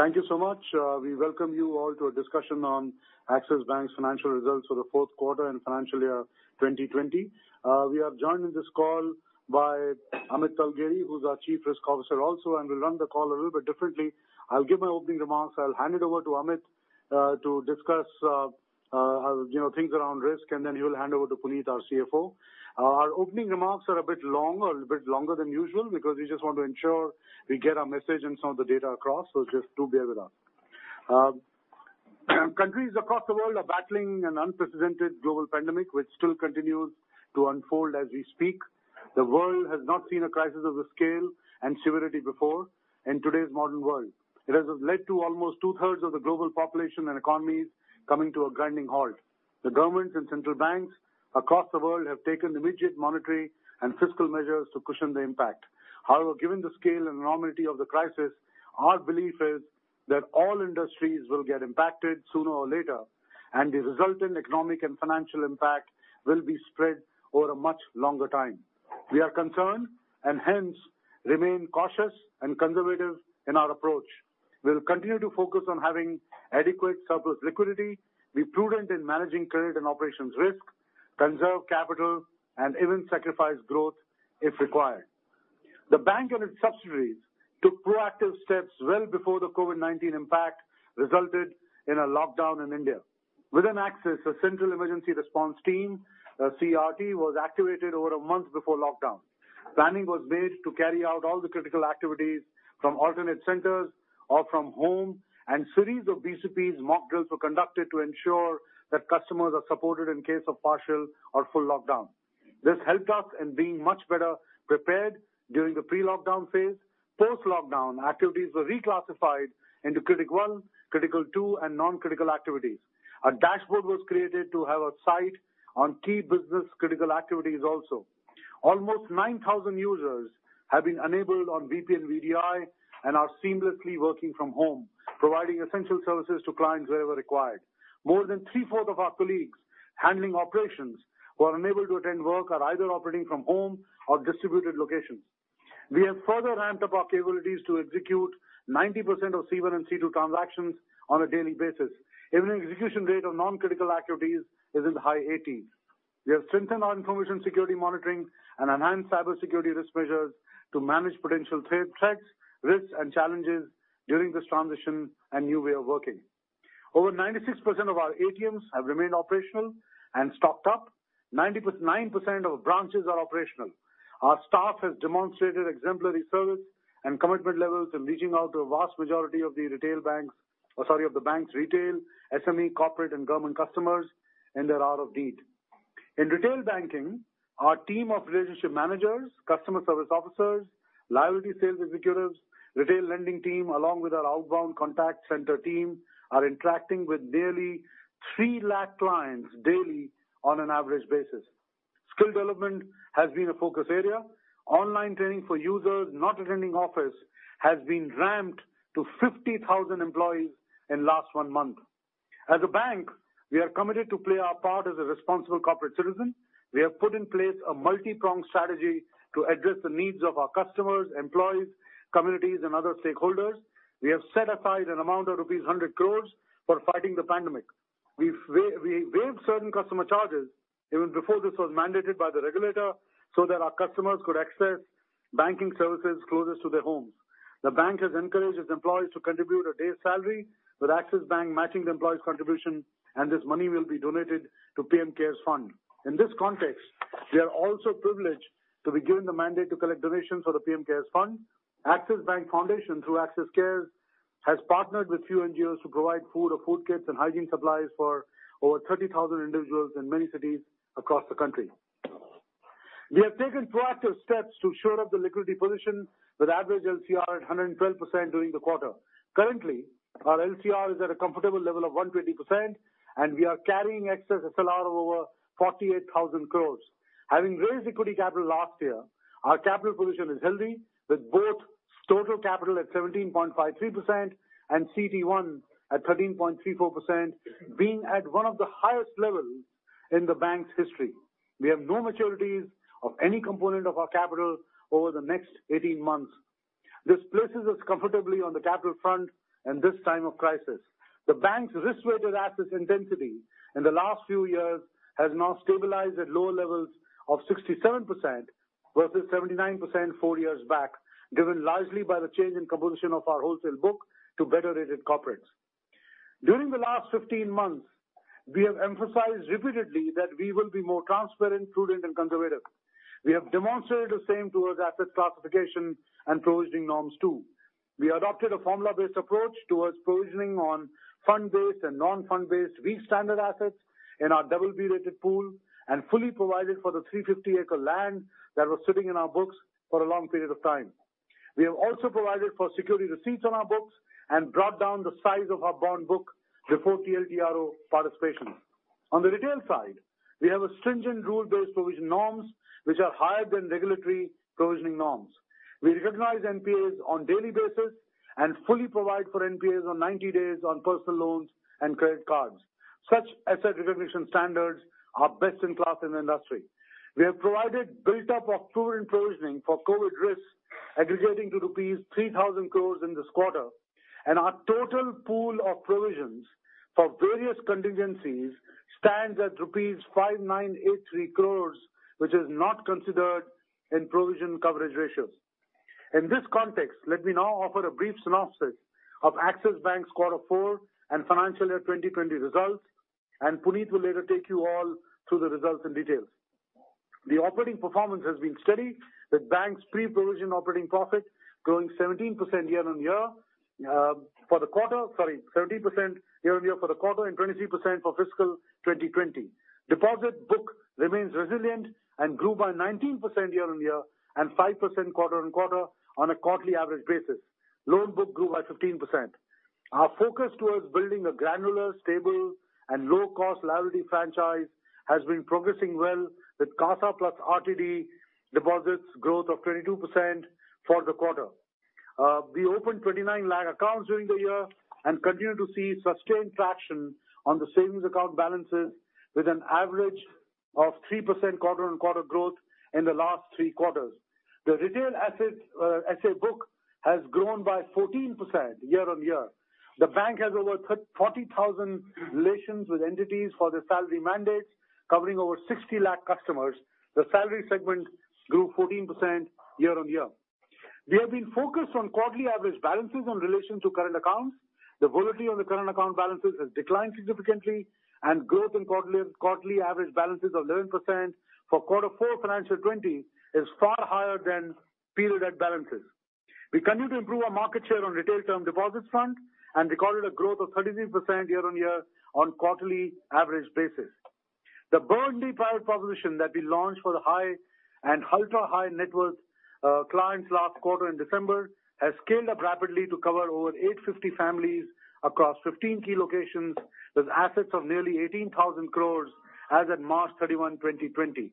Thank you so much. We welcome you all to a discussion on Axis Bank's financial results for the fourth quarter and financial year 2020. We are joined in this call by Amit Talgeri, who's our Chief Risk Officer also, and we'll run the call a little bit differently. I'll give my opening remarks. I'll hand it over to Amit to discuss things around risk, and then he'll hand over to Puneet, our CFO. Our opening remarks are a bit longer, a bit longer than usual, because we just want to ensure we get our message and some of the data across, so just do bear with us. Countries across the world are battling an unprecedented global pandemic, which still continues to unfold as we speak. The world has not seen a crisis of this scale and severity before in today's modern world. It has led to almost two-thirds of the global population and economies coming to a grinding halt. The governments and central banks across the world have taken immediate monetary and fiscal measures to cushion the impact. However, given the scale and enormity of the crisis, our belief is that all industries will get impacted sooner or later, and the resultant economic and financial impact will be spread over a much longer time. We are concerned and hence remain cautious and conservative in our approach. We'll continue to focus on having adequate surplus liquidity, be prudent in managing credit and operations risk, conserve capital, and even sacrifice growth if required. The bank and its subsidiaries took proactive steps well before the COVID-19 impact resulted in a lockdown in India. Within Axis, a Central Emergency Response Team, a CERT, was activated over a month before lockdown. Planning was made to carry out all the critical activities from alternate centers or from home, and series of BCPs mock drills were conducted to ensure that customers are supported in case of partial or full lockdown. This helped us in being much better prepared during the pre-lockdown phase. Post-lockdown activities were reclassified into Critical One, Critical Two, and Non-Critical Activities. A dashboard was created to have a sight on key business critical activities also. Almost 9,000 users have been enabled on VPN VDI and are seamlessly working from home, providing essential services to clients wherever required. More than three-fourths of our colleagues handling operations who are unable to attend work are either operating from home or distributed locations. We have further ramped up our capabilities to execute 90% of C1 and C2 transactions on a daily basis. Even the execution rate of Non-Critical Activities is in the high 80s. We have strengthened our information security monitoring and enhanced cybersecurity risk measures to manage potential threats, risks, and challenges during this transition and new way of working. Over 96% of our ATMs have remained operational and stocked up. 99% of branches are operational. Our staff has demonstrated exemplary service and commitment levels in reaching out to a vast majority of the retail banks' retail, SME, corporate, and government customers in their hour of need. In retail banking, our team of relationship managers, customer service officers, liability sales executives, retail lending team, along with our outbound contact center team, are interacting with nearly 3,000,000 clients daily on an average basis. Skill development has been a focus area. Online training for users not attending office has been ramped to 50,000 employees in the last one month. As a bank, we are committed to play our part as a responsible corporate citizen. We have put in place a multi-pronged strategy to address the needs of our customers, employees, communities, and other stakeholders. We have set aside an amount of rupees 100 crore for fighting the pandemic. We waived certain customer charges even before this was mandated by the regulator so that our customers could access banking services closest to their homes. The bank has encouraged its employees to contribute a day's salary with Axis Bank matching the employee's contribution, and this money will be donated to PM CARES Fund. In this context, we are also privileged to be given the mandate to collect donations for the PM CARES Fund. Axis Bank Foundation, through Axis Cares, has partnered with few NGOs to provide food or food kits and hygiene supplies for over 30,000 individuals in many cities across the country. We have taken proactive steps to shore up the liquidity position with average LCR at 112% during the quarter. Currently, our LCR is at a comfortable level of 120%, and we are carrying excess SLR of over 48,000 crore. Having raised equity capital last year, our capital position is healthy, with both total capital at 17.53% and CET1 at 13.34% being at one of the highest levels in the bank's history. We have no maturities of any component of our capital over the next 18 months. This places us comfortably on the capital front in this time of crisis. The bank's risk-weighted assets intensity in the last few years has now stabilized at lower levels of 67% versus 79% four years back, given largely by the change in composition of our wholesale book to better rated corporates. During the last 15 months, we have emphasized repeatedly that we will be more transparent, prudent, and conservative. We have demonstrated the same towards assets classification and provisioning norms too. We adopted a formula-based approach towards provisioning on fund-based and non-fund-based weak standard assets in our BB-rated pool and fully provided for the 350-acre land that was sitting in our books for a long period of time. We have also provided for security receipts on our books and brought down the size of our bond book before TLTRO participation. On the retail side, we have stringent rule-based provision norms, which are higher than regulatory provisioning norms. We recognize NPAs on a daily basis and fully provide for NPAs on 90 days on personal loans and credit cards. Such asset recognition standards are best in class in the industry. We have provided build-up of prudent provisioning for COVID risks, aggregating to rupees 3,000 crores in this quarter, and our total pool of provisions for various contingencies stands at rupees 5,983 crores, which is not considered in provision coverage ratios. In this context, let me now offer a brief synopsis of Axis Bank's quarter four and financial year 2020 results, and Puneet will later take you all through the results in detail. The operating performance has been steady, with bank's pre-provision operating profit growing 17% year-on-year for the quarter, sorry, 17% year-on-year for the quarter and 23% for fiscal 2020. Deposit book remains resilient and grew by 19% year-on-year and 5% quarter-on-quarter on a quarterly average basis. Loan book grew by 15%. Our focus towards building a granular, stable, and low-cost liability franchise has been progressing well with CASA Plus RTD deposits growth of 22% for the quarter. We opened 29,000,000 accounts during the year and continue to see sustained traction on the savings account balances, with an average of 3% quarter-on-quarter growth in the last three quarters. The retail asset book has grown by 14% year-on-year. The bank has over 40,000 relations with entities for their salary mandates, covering over 60,000,000 customers. The salary segment grew 14% year-on-year. We have been focused on quarterly average balances in relation to current accounts. The volatility on the current account balances has declined significantly, and growth in quarterly average balances of 11% for quarter four financial 2020 is far higher than period-end balances. We continue to improve our market share on retail term deposits front and recorded a growth of 33% year-on-year on a quarterly average basis. The Burgundy Private proposition that we launched for the high and ultra high net worth clients last quarter in December has scaled up rapidly to cover over 850 families across 15 key locations with assets of nearly 18,000 crore as of March 31, 2020.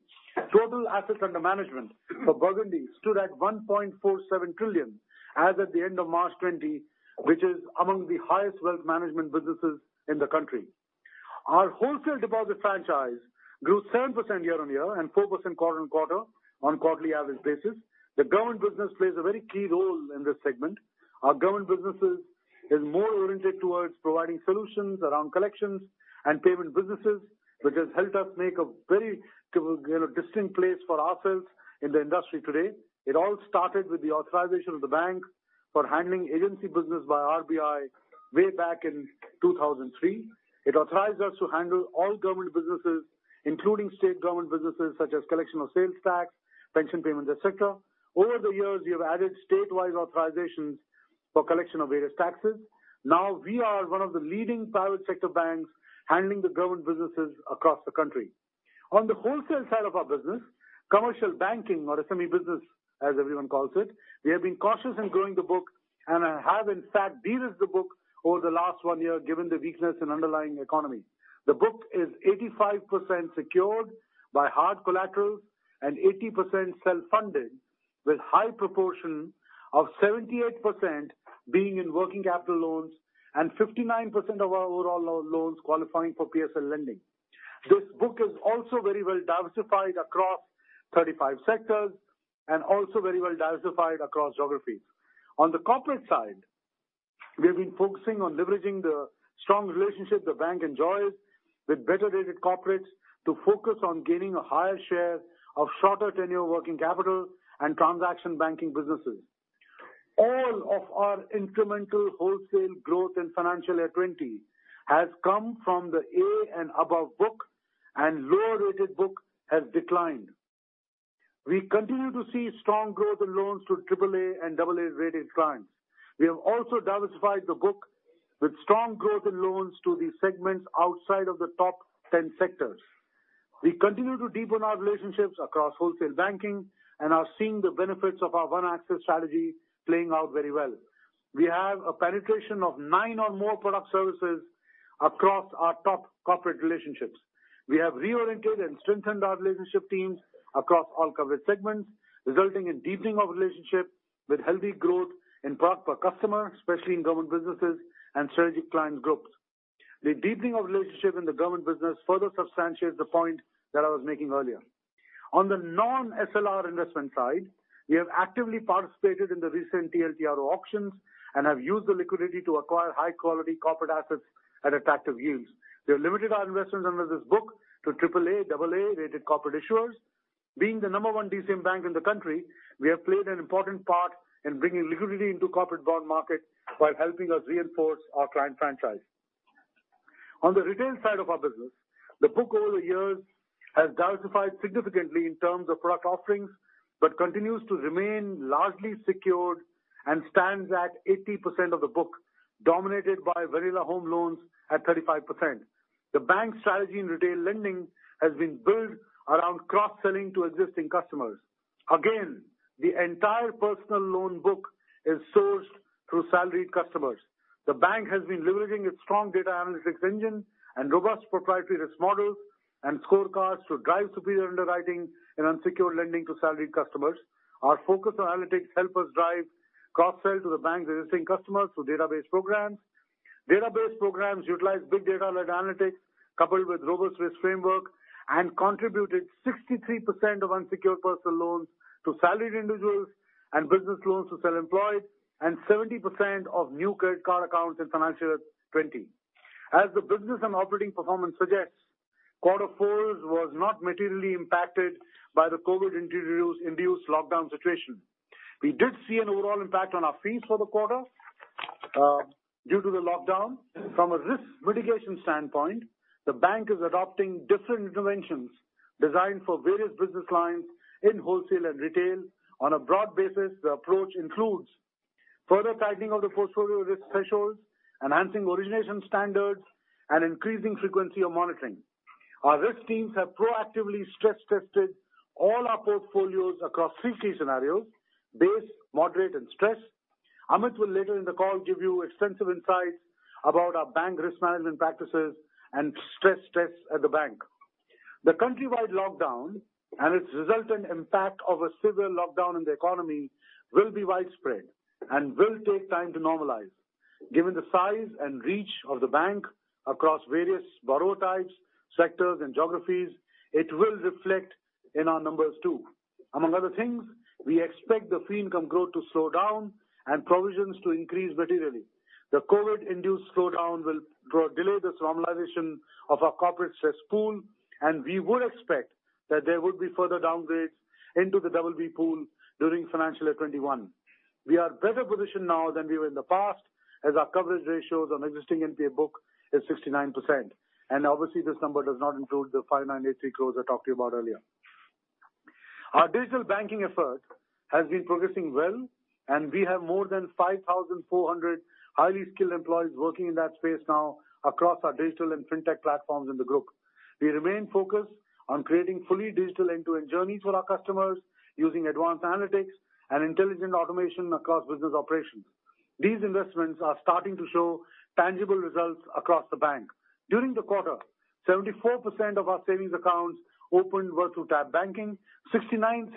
Total assets under management for Burgundy stood at 1.47 trillion as of the end of March 2020, which is among the highest wealth management businesses in the country. Our wholesale deposit franchise grew 7% year-on-year and 4% quarter-on-quarter on a quarterly average basis. The government business plays a very key role in this segment. Our government business is more oriented towards providing solutions around collections and payment businesses, which has helped us make a very distinct place for ourselves in the industry today. It all started with the authorization of the bank for handling agency business by RBI way back in 2003. It authorized us to handle all government businesses, including state government businesses such as collection of sales tax, pension payments, etc. Over the years, we have added statewide authorizations for collection of various taxes. Now, we are one of the leading private sector banks handling the government businesses across the country. On the wholesale side of our business, commercial banking or SME business, as everyone calls it, we have been cautious in growing the book and have, in fact, derisked the book over the last one year given the weakness in underlying economies. The book is 85% secured by hard collaterals and 80% self-funded, with a high proportion of 78% being in working capital loans and 59% of our overall loans qualifying for PSL lending. This book is also very well diversified across 35 sectors and also very well diversified across geographies. On the corporate side, we have been focusing on leveraging the strong relationship the bank enjoys with better rated corporates to focus on gaining a higher share of shorter-tenure working capital and transaction banking businesses. All of our incremental wholesale growth in financial year 2020 has come from the A and above book, and the lower rated book has declined. We continue to see strong growth in loans to AAA and AA rated clients. We have also diversified the book with strong growth in loans to the segments outside of the top 10 sectors. We continue to deepen our relationships across wholesale banking and are seeing the benefits of our One Axis strategy playing out very well. We have a penetration of nine or more product services across our top corporate relationships. We have reoriented and strengthened our relationship teams across all coverage segments, resulting in a deepening of relationship with healthy growth in product per customer, especially in government businesses and strategic clients' groups. The deepening of relationship in the government business further substantiates the point that I was making earlier. On the non-SLR investment side, we have actively participated in the recent TLTRO auctions and have used the liquidity to acquire high-quality corporate assets at attractive yields. We have limited our investments under this book to AAA, AA rated corporate issuers. Being the number one DCM bank in the country, we have played an important part in bringing liquidity into the corporate bond market while helping us reinforce our client franchise. On the retail side of our business, the book over the years has diversified significantly in terms of product offerings but continues to remain largely secured and stands at 80% of the book, dominated by vanilla home loans at 35%. The bank's strategy in retail lending has been built around cross-selling to existing customers. Again, the entire personal loan book is sourced through salaried customers. The bank has been leveraging its strong data analytics engine and robust proprietary risk models and scorecards to drive superior underwriting in unsecured lending to salaried customers. Our focus on analytics helps us drive cross-sell to the bank's existing customers through database programs. Database programs utilize big data-led analytics coupled with robust risk frameworks and contributed 63% of unsecured personal loans to salaried individuals and business loans to self-employed and 70% of new credit card accounts in financial year 2020. As the business and operating performance suggests, quarter four was not materially impacted by the COVID-induced lockdown situation. We did see an overall impact on our fees for the quarter due to the lockdown. From a risk mitigation standpoint, the bank is adopting different interventions designed for various business lines in wholesale and retail. On a broad basis, the approach includes further tightening of the portfolio risk thresholds, enhancing origination standards, and increasing frequency of monitoring. Our risk teams have proactively stress-tested all our portfolios across three key scenarios: base, moderate, and stress. Amit will later in the call give you extensive insights about our bank risk management practices and stress tests at the bank. The countrywide lockdown and its resultant impact of a severe lockdown in the economy will be widespread and will take time to normalize. Given the size and reach of the bank across various borrower types, sectors, and geographies, it will reflect in our numbers too. Among other things, we expect the fee income growth to slow down and provisions to increase materially. The COVID-induced slowdown will delay this normalization of our corporate stress pool, and we would expect that there would be further downgrades into the BB pool during financial year 2021. We are better positioned now than we were in the past, as our coverage ratios on existing NPA book are 69%. Obviously, this number does not include the 5,983 crore I talked to you about earlier. Our digital banking effort has been progressing well, and we have more than 5,400 highly skilled employees working in that space now across our digital and fintech platforms in the group. We remain focused on creating fully digital end-to-end journeys for our customers using advanced analytics and intelligent automation across business operations. These investments are starting to show tangible results across the bank. During the quarter, 74% of our savings accounts opened were through Tab Banking, 66%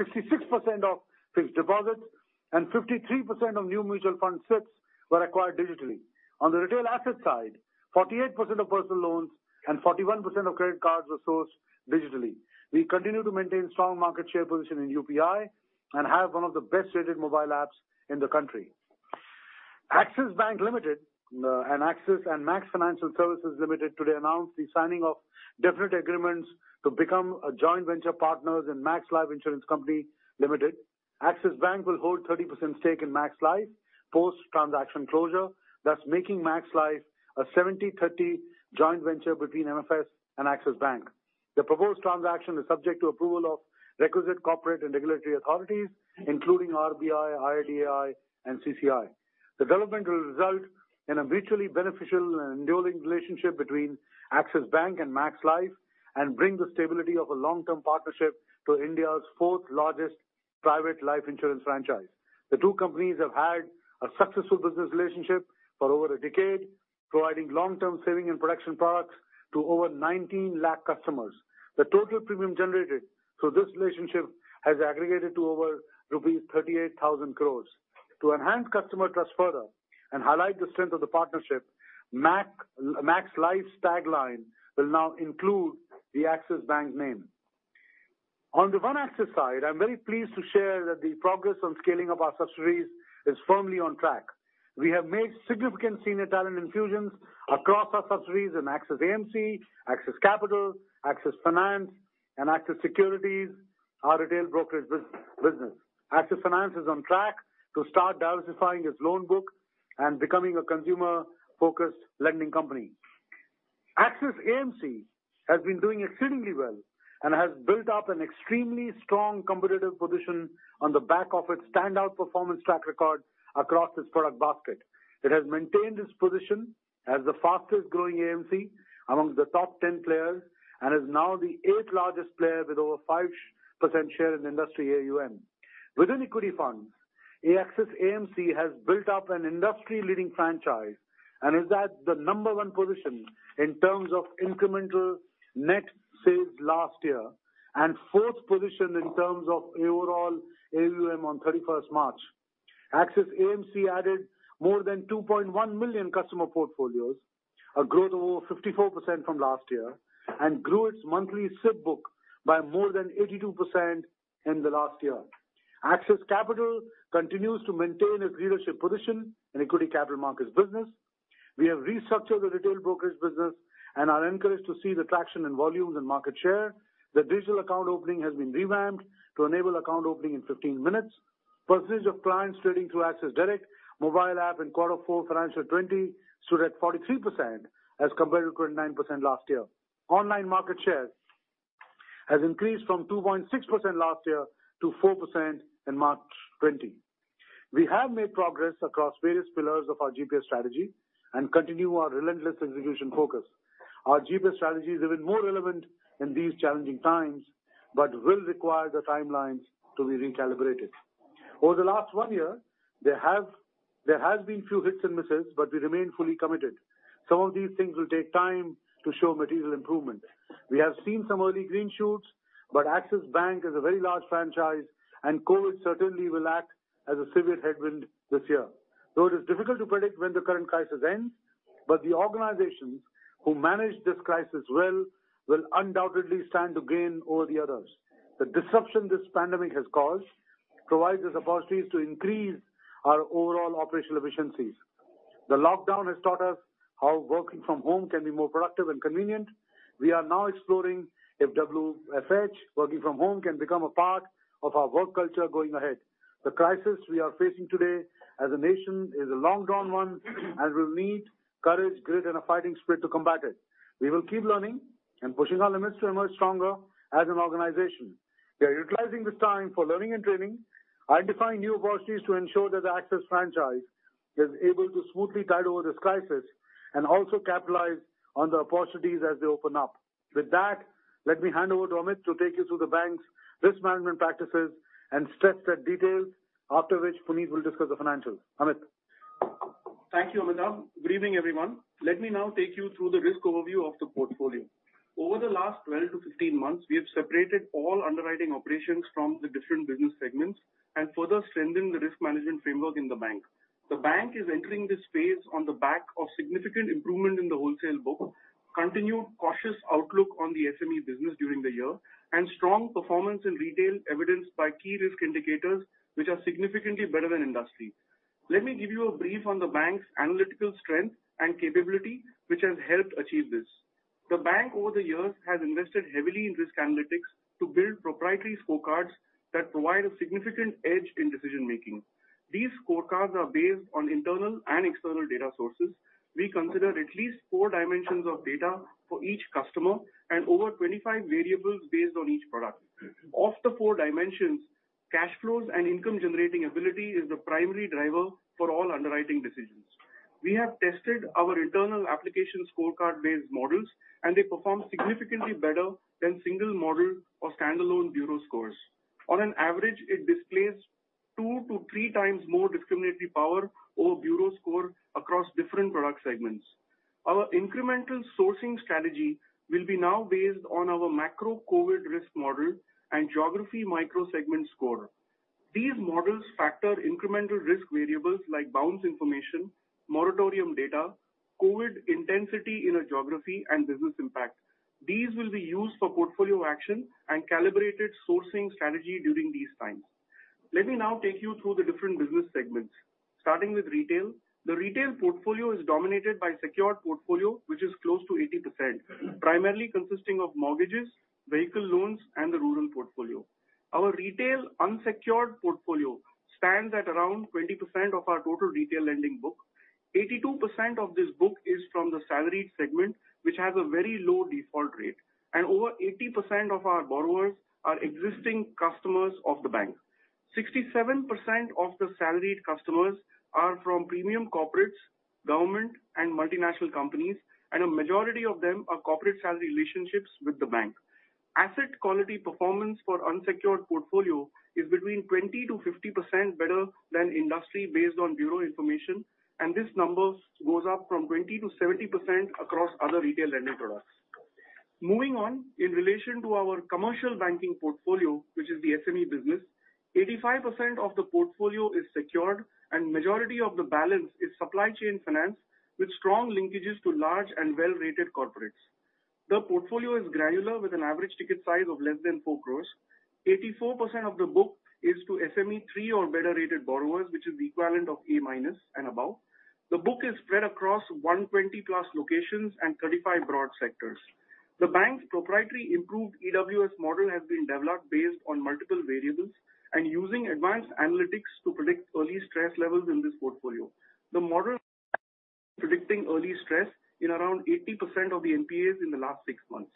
of fixed deposits, and 53% of new mutual fund SIPs were acquired digitally. On the retail asset side, 48% of personal loans and 41% of credit cards were sourced digitally. We continue to maintain a strong market share position in UPI and have one of the best rated mobile apps in the country. Axis Bank Limited and Max Financial Services Limited today announced the signing of definitive agreements to become joint venture partners in Max Life Insurance Company Limited. Axis Bank will hold a 30% stake in Max Life post-transaction closure, thus making Max Life a 70/30 joint venture between MFS and Axis Bank. The proposed transaction is subject to approval of requisite corporate and regulatory authorities, including RBI, IRDAI, and CCI. The development will result in a mutually beneficial and enduring relationship between Axis Bank and Max Life and bring the stability of a long-term partnership to India's fourth-largest private life insurance franchise. The two companies have had a successful business relationship for over a decade, providing long-term saving and production products to over 19,000,000 customers. The total premium generated through this relationship has aggregated to over rupees 38,000 crore. To enhance customer trust further and highlight the strength of the partnership, Max Life's tagline will now include the Axis Bank name. On the One Axis side, I'm very pleased to share that the progress on scaling up our subsidiaries is firmly on track. We have made significant senior talent infusions across our subsidiaries in Axis AMC, Axis Capital, Axis Finance, and Axis Securities, our retail brokerage business. Axis Finance is on track to start diversifying its loan book and becoming a consumer-focused lending company. Axis AMC has been doing exceedingly well and has built up an extremely strong competitive position on the back of its standout performance track record across its product basket. It has maintained its position as the fastest-growing AMC amongst the top 10 players and is now the eighth-largest player with over a 5% share in the industry AUM. Within equity funds, Axis AMC has built up an industry-leading franchise and is at the number one position in terms of incremental net sales last year and fourth position in terms of overall AUM on 31st March. Axis AMC added more than 2.1 million customer portfolios, a growth of over 54% from last year, and grew its monthly SIP book by more than 82% in the last year. Axis Capital continues to maintain its leadership position in equity capital markets business. We have restructured the retail brokerage business and are encouraged to see the traction in volumes and market share. The digital account opening has been revamped to enable account opening in 15 minutes. The percentage of clients trading through Axis Direct mobile app in quarter four financial 2020 stood at 43% as compared to 29% last year. Online market share has increased from 2.6% last year to 4% in March 2020. We have made progress across various pillars of our GPS strategy and continue our relentless execution focus. Our GPS strategy is even more relevant in these challenging times but will require the timelines to be recalibrated. Over the last one year, there have been a few hits and misses, but we remain fully committed. Some of these things will take time to show material improvement. We have seen some early green shoots, but Axis Bank is a very large franchise, and COVID certainly will act as a severe headwind this year. Though it is difficult to predict when the current crisis ends, the organizations who manage this crisis well will undoubtedly stand to gain over the others. The disruption this pandemic has caused provides us opportunities to increase our overall operational efficiencies. The lockdown has taught us how working from home can be more productive and convenient. We are now exploring if WFH, working from home, can become a part of our work culture going ahead. The crisis we are facing today as a nation is a long-drawn one and will need courage, grit, and a fighting spirit to combat it. We will keep learning and pushing our limits to emerge stronger as an organization. We are utilizing this time for learning and training, identifying new opportunities to ensure that the Axis franchise is able to smoothly tide over this crisis, and also capitalize on the opportunities as they open up. With that, let me hand over to Amit to take you through the bank's risk management practices and stress-test details, after which Puneet will discuss the financials. Amit. Thank you, Amitabh. Good evening, everyone. Let me now take you through the risk overview of the portfolio. Over the last 12-15 months, we have separated all underwriting operations from the different business segments and further strengthened the risk management framework in the bank. The bank is entering this phase on the back of significant improvement in the wholesale book, continued cautious outlook on the SME business during the year, and strong performance in retail evidenced by key risk indicators which are significantly better than industry. Let me give you a brief on the bank's analytical strength and capability which has helped achieve this. The bank, over the years, has invested heavily in risk analytics to build proprietary scorecards that provide a significant edge in decision-making. These scorecards are based on internal and external data sources. We consider at least 4 dimensions of data for each customer and over 25 variables based on each product. Of the 4 dimensions, cash flows and income-generating ability is the primary driver for all underwriting decisions. We have tested our internal application scorecard-based models, and they perform significantly better than single-model or standalone bureau scores. On an average, it displays 2-3 times more discriminatory power over bureau scores across different product segments. Our incremental sourcing strategy will be now based on our macro-COVID risk model and geography microsegment score. These models factor incremental risk variables like bounce information, moratorium data, COVID intensity in a geography, and business impact. These will be used for portfolio action and calibrated sourcing strategy during these times. Let me now take you through the different business segments. Starting with retail, the retail portfolio is dominated by a secured portfolio which is close to 80%, primarily consisting of mortgages, vehicle loans, and the rural portfolio. Our retail unsecured portfolio stands at around 20% of our total retail lending book. 82% of this book is from the salaried segment which has a very low default rate, and over 80% of our borrowers are existing customers of the bank. 67% of the salaried customers are from premium corporates, government, and multinational companies, and a majority of them are corporate salary relationships with the bank. Asset quality performance for unsecured portfolio is between 20%-50% better than industry based on bureau information, and this number goes up from 20%-70% across other retail lending products. Moving on, in relation to our commercial banking portfolio, which is the SME business, 85% of the portfolio is secured, and the majority of the balance is supply chain finance with strong linkages to large and well-rated corporates. The portfolio is granular with an average ticket size of less than 4 crore. 84% of the book is to SME 3 or better rated borrowers, which is the equivalent of A- and above. The book is spread across 120+ locations and 35 broad sectors. The bank's proprietary improved EWS model has been developed based on multiple variables and using advanced analytics to predict early stress levels in this portfolio. The model is predicting early stress in around 80% of the NPAs in the last six months.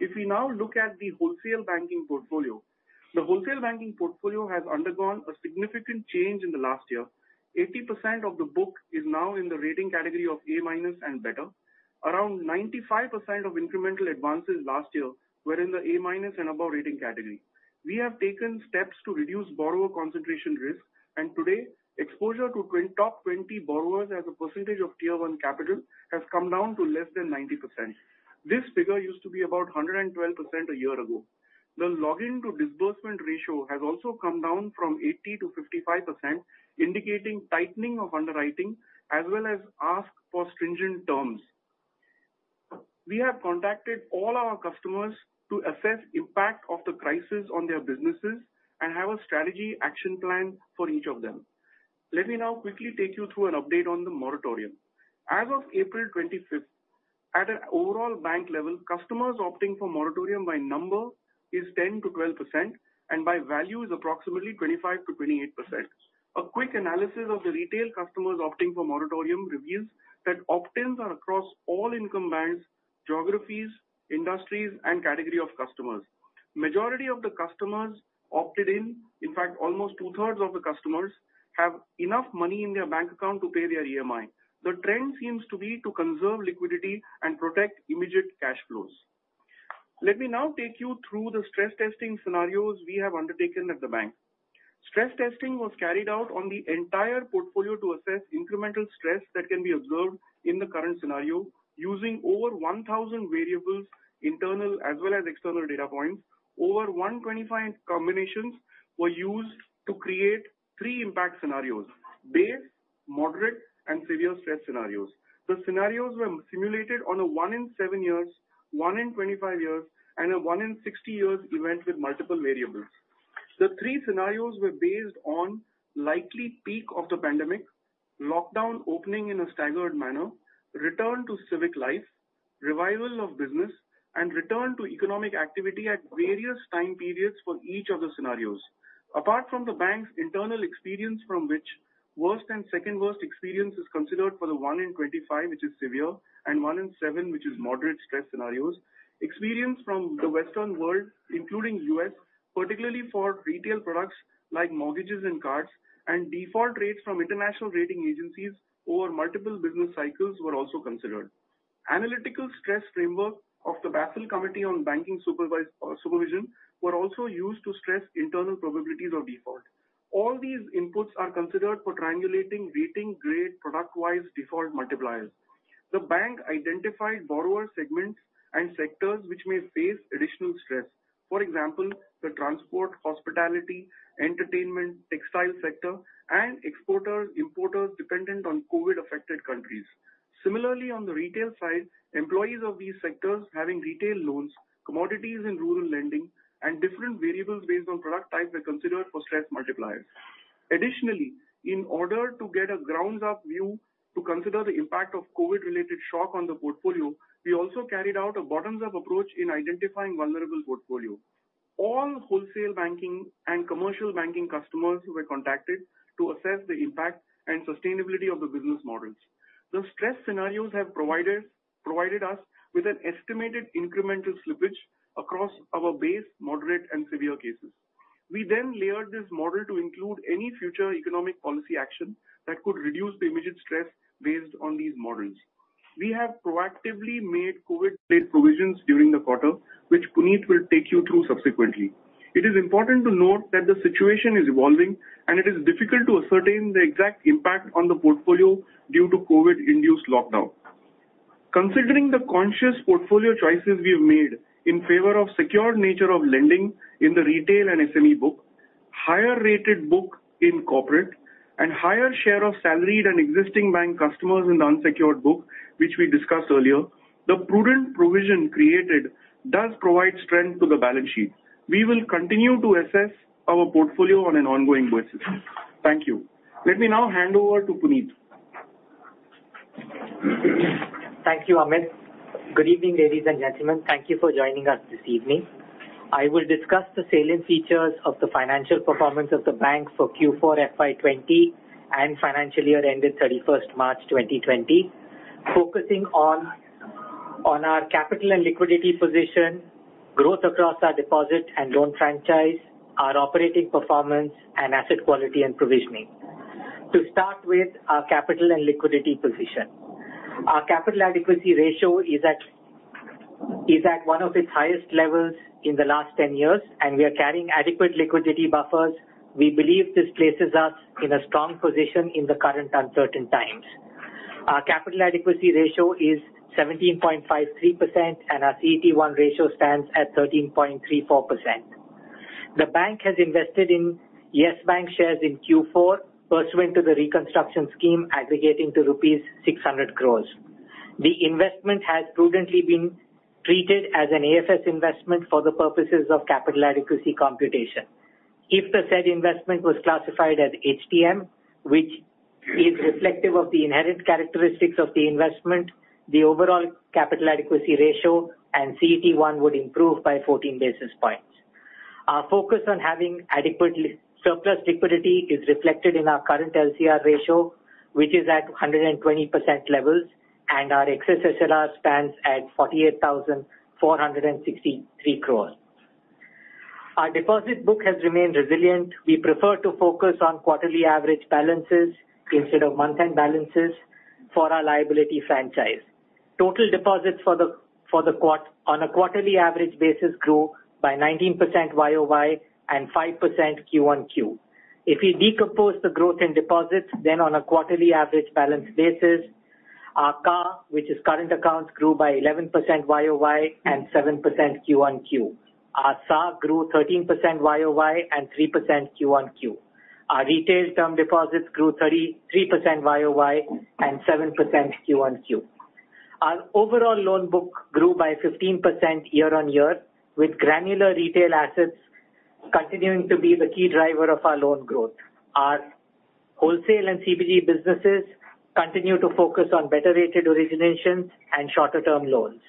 If we now look at the wholesale banking portfolio, the wholesale banking portfolio has undergone a significant change in the last year. 80% of the book is now in the rating category of A- and better. Around 95% of incremental advances last year were in the A- and above rating category. We have taken steps to reduce borrower concentration risk, and today, exposure to top 20 borrowers as a percentage of Tier 1 capital has come down to less than 90%. This figure used to be about 112% a year ago. The login-to-disbursement ratio has also come down from 80% to 55%, indicating tightening of underwriting as well as ask for stringent terms. We have contacted all our customers to assess the impact of the crisis on their businesses and have a strategy action plan for each of them. Let me now quickly take you through an update on the moratorium. As of April 25th, at an overall bank level, customers opting for moratorium by number is 10%-12%, and by value is approximately 25%-28%. A quick analysis of the retail customers opting for moratorium reveals that opt-ins are across all income bands, geographies, industries, and categories of customers. The majority of the customers opted in; in fact, almost two-thirds of the customers have enough money in their bank account to pay their EMI. The trend seems to be to conserve liquidity and protect immediate cash flows. Let me now take you through the stress testing scenarios we have undertaken at the bank. Stress testing was carried out on the entire portfolio to assess incremental stress that can be observed in the current scenario using over 1,000 variables, internal as well as external data points. Over 125 combinations were used to create 3 impact scenarios: big, moderate, and severe stress scenarios. The scenarios were simulated on a 1-in-7 years, 1-in-25 years, and a 1-in-60 years event with multiple variables. The 3 scenarios were based on the likely peak of the pandemic, lockdown opening in a staggered manner, return to civic life, revival of business, and return to economic activity at various time periods for each of the scenarios. Apart from the bank's internal experience from which worst and second-worst experience is considered for the 1-in-25, which is severe, and 1-in-7, which is moderate stress scenarios, experience from the Western world, including the U.S., particularly for retail products like mortgages and cards, and default rates from international rating agencies over multiple business cycles were also considered. Analytical stress frameworks of the Basel Committee on Banking Supervision were also used to stress internal probabilities of default. All these inputs are considered for triangulating rating-grade product-wise default multipliers. The bank identified borrower segments and sectors which may face additional stress. For example, the transport, hospitality, entertainment, textile sector, and exporters/importers dependent on COVID-affected countries. Similarly, on the retail side, employees of these sectors having retail loans, commodities in rural lending, and different variables based on product type were considered for stress multipliers. Additionally, in order to get a ground-up view to consider the impact of COVID-related shock on the portfolio, we also carried out a bottoms-up approach in identifying vulnerable portfolios. All wholesale banking and commercial banking customers were contacted to assess the impact and sustainability of the business models. The stress scenarios have provided us with an estimated incremental slippage across our base moderate and severe cases. We then layered this model to include any future economic policy action that could reduce the immediate stress based on these models. We have proactively made COVID-related provisions during the quarter, which Puneet will take you through subsequently. It is important to note that the situation is evolving, and it is difficult to ascertain the exact impact on the portfolio due to COVID-induced lockdown. Considering the conscious portfolio choices we have made in favor of the secure nature of lending in the retail and SME book, higher-rated book in corporate, and a higher share of salaried and existing bank customers in the unsecured book, which we discussed earlier, the prudent provision created does provide strength to the balance sheet. We will continue to assess our portfolio on an ongoing basis. Thank you. Let me now hand over to Puneet. Thank you, Amit. Good evening, ladies and gentlemen. Thank you for joining us this evening. I will discuss the salient features of the financial performance of the bank for Q4 FY20 and financial year ended 31st March 2020, focusing on our capital and liquidity position, growth across our deposit and loan franchise, our operating performance, and asset quality and provisioning. To start with, our capital and liquidity position. Our capital adequacy ratio is at one of its highest levels in the last 10 years, and we are carrying adequate liquidity buffers. We believe this places us in a strong position in the current uncertain times. Our capital adequacy ratio is 17.53%, and our CET1 ratio stands at 13.34%. The bank has invested in YES Bank shares in Q4, pursuant to the reconstruction scheme, aggregating to rupees 600 crore. The investment has prudently been treated as an AFS investment for the purposes of capital adequacy computation. If the said investment was classified as HTM, which is reflective of the inherent characteristics of the investment, the overall capital adequacy ratio and CET1 would improve by 14 basis points. Our focus on having adequate surplus liquidity is reflected in our current LCR ratio, which is at 120% levels, and our excess SLR stands at 48,463 crore. Our deposit book has remained resilient. We prefer to focus on quarterly average balances instead of month-end balances for our liability franchise. Total deposits for the quarter, on a quarterly average basis, grew by 19% YOY and 5% QoQ. If we decompose the growth in deposits, then on a quarterly average balance basis, our CA, which is current accounts, grew by 11% YOY and 7% QoQ. Our SA grew 13% YOY and 3% QoQ. Our retail term deposits grew 33% YOY and 7% QoQ. Our overall loan book grew by 15% year-on-year, with granular retail assets continuing to be the key driver of our loan growth. Our wholesale and CBG businesses continue to focus on better-rated originations and shorter-term loans.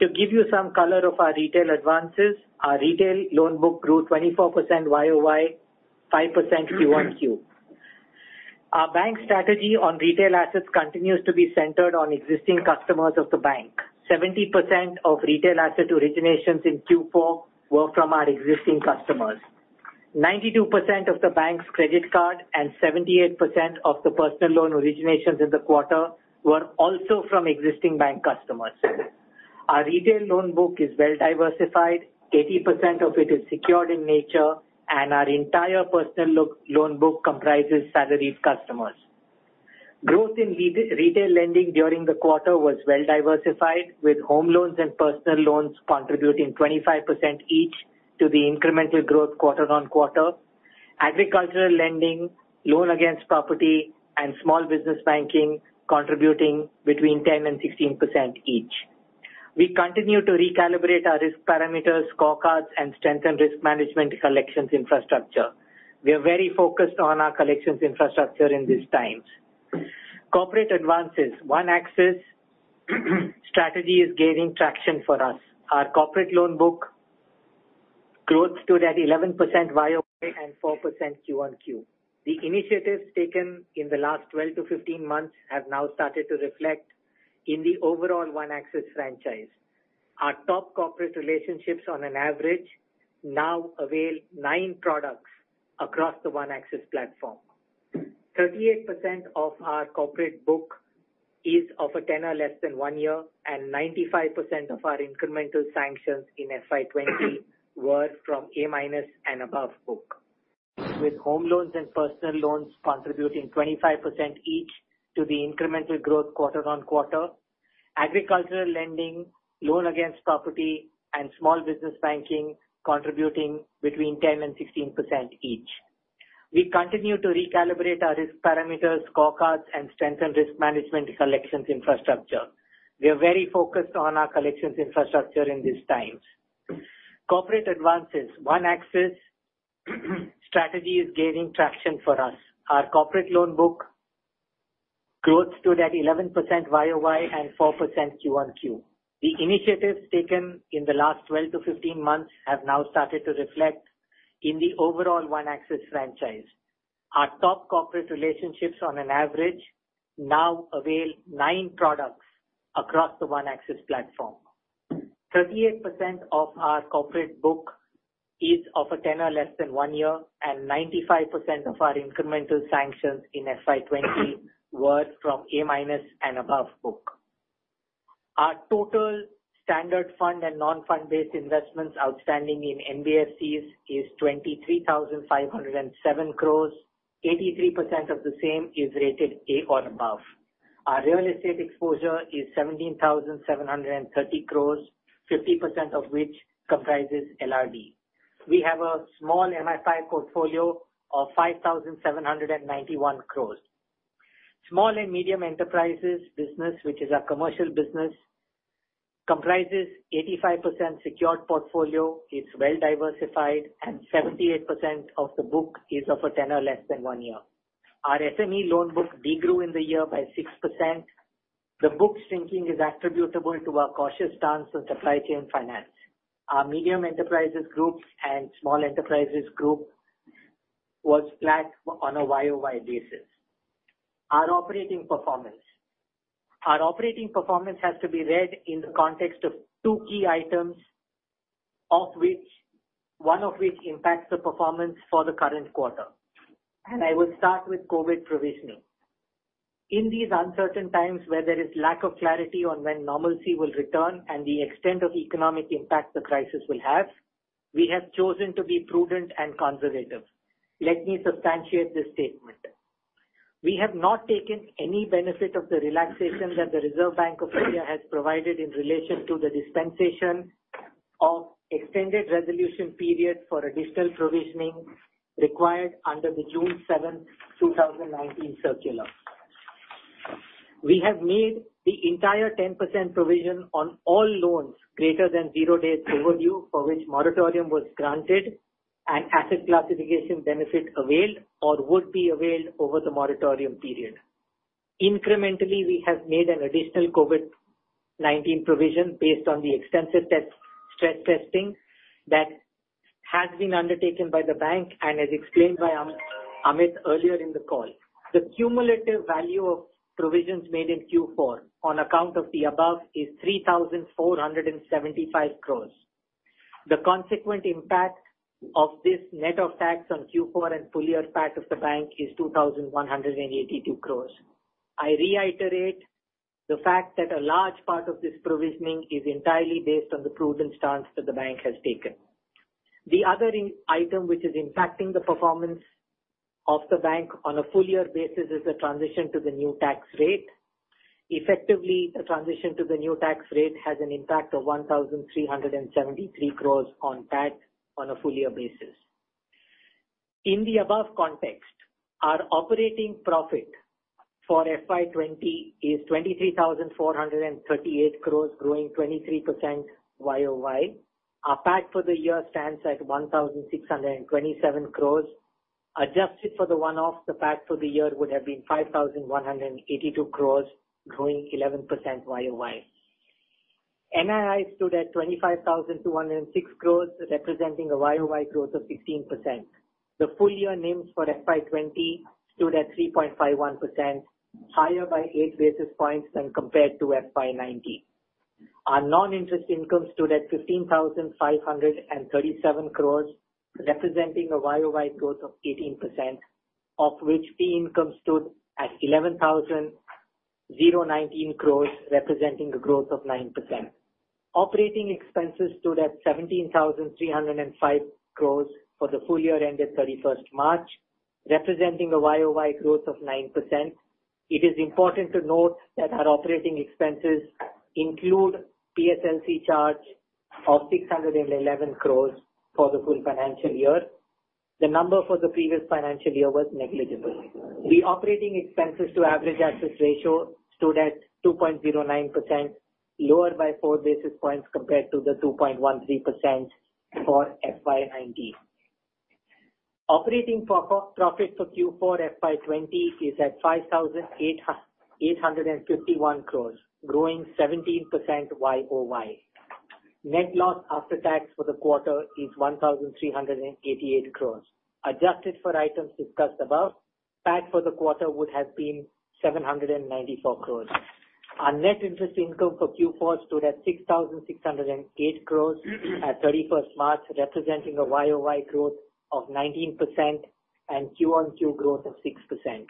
To give you some color of our retail advances, our retail loan book grew 24% YOY, 5% QoQ. Our bank's strategy on retail assets continues to be centered on existing customers of the bank. 70% of retail asset originations in Q4 were from our existing customers. 92% of the bank's credit card and 78% of the personal loan originations in the quarter were also from existing bank customers. Our retail loan book is well-diversified. 80% of it is secured in nature, and our entire personal loan book comprises salaried customers. Growth in retail lending during the quarter was well-diversified, with home loans and personal loans contributing 25% each to the incremental growth quarter on quarter, agricultural lending, loan against property, and small business banking contributing between 10% and 16% each. We continue to recalibrate our risk parameters, scorecards, and strengthen risk management collections infrastructure. We are very focused on our collections infrastructure in these times. Corporate advances, One Axis strategy is gaining traction for us. Our corporate loan book growth stood at 11% YOY and 4% QoQ. The initiatives taken in the last 12-15 months have now started to reflect in the overall One Axis franchise. Our top corporate relationships, on an average, now avail 9 products across the One Axis platform. 38% of our corporate book is of a tenor less than one year, and 95% of our incremental sanctions in FY20 were from A-minus and above book, with home loans and personal loans contributing 25% each to the incremental growth quarter on quarter, agricultural lending, loan against property, and small business banking contributing between 10%-16% each. We continue to recalibrate our risk parameters, scorecards, and strengthen risk management collections infrastructure. We are very focused on our collections infrastructure in these times. Corporate advances, One Axis strategy is gaining traction for us. Our corporate loan book growth stood at 11% YOY and 4% QoQ. The initiatives taken in the last 12 to 15 months have now started to reflect in the overall One Axis franchise. Our top corporate relationships, on an average, now avail nine products across the One Axis platform. 38% of our corporate book is of a tenor less than one year, and 95% of our incremental sanctions in FY20 were from A-minus and above book. Our total standard fund and non-fund-based investments outstanding in NBFCs is 23,507 crores. 83% of the same is rated A or above. Our real estate exposure is 17,730 crores, 50% of which comprises LRD. We have a small MFI portfolio of 5,791 crores. Small and medium enterprises business, which is our commercial business, comprises 85% secured portfolio. It's well-diversified, and 78% of the book is of a tenor less than one year. Our SME loan book degrew in the year by 6%. The book shrinking is attributable to our cautious stance on supply chain finance. Our medium enterprises group and small enterprises group were flat on a YOY basis. Our operating performance. Our operating performance has to be read in the context of two key items, one of which impacts the performance for the current quarter. I will start with COVID provisioning. In these uncertain times where there is lack of clarity on when normalcy will return and the extent of economic impact the crisis will have, we have chosen to be prudent and conservative. Let me substantiate this statement. We have not taken any benefit of the relaxation that the Reserve Bank of India has provided in relation to the dispensation of extended resolution periods for additional provisioning required under the June 7th, 2019 circular. We have made the entire 10% provision on all loans greater than 0 days overdue for which moratorium was granted and asset classification benefit availed or would be availed over the moratorium period. Incrementally, we have made an additional COVID-19 provision based on the extensive stress testing that has been undertaken by the bank and, as explained by Amit earlier in the call, the cumulative value of provisions made in Q4 on account of the above is 3,475 crores. The consequent impact of this net of tax on Q4 and full year PAT of the bank is 2,182 crores. I reiterate the fact that a large part of this provisioning is entirely based on the prudent stance that the bank has taken. The other item which is impacting the performance of the bank on a full year basis is the transition to the new tax rate. Effectively, the transition to the new tax rate has an impact of 1,373 crores on PAT on a full year basis. In the above context, our operating profit for FY20 is 23,438 crores, growing 23% YOY. Our PAT for the year stands at 1,627 crores. Adjusted for the one-off, the PAT for the year would have been 5,182 crores, growing 11% YOY. NII stood at 25,206 crores, representing a YOY growth of 16%. The full year NIMs for FY20 stood at 3.51%, higher by eight basis points than compared to FY19. Our non-interest income stood at 15,537 crores rupees, representing a YOY growth of 18%, of which the income stood at 11,000.019 crores, representing a growth of 9%. Operating expenses stood at 17,305 crores for the full year ended 31st March, representing a YOY growth of 9%. It is important to note that our operating expenses include PSLC charge of 611 crores for the full financial year. The number for the previous financial year was negligible. The operating expenses-to-average assets ratio stood at 2.09%, lower by four basis points compared to the 2.13% for FY19. Operating profit for Q4 FY20 is at 5,851 crores, growing 17% YOY. Net loss after tax for the quarter is 1,388 crores. Adjusted for items discussed above, PAT for the quarter would have been 794 crores. Our net interest income for Q4 stood at 6,608 crores at 31st March, representing a YOY growth of 19% and QoQ growth of 6%.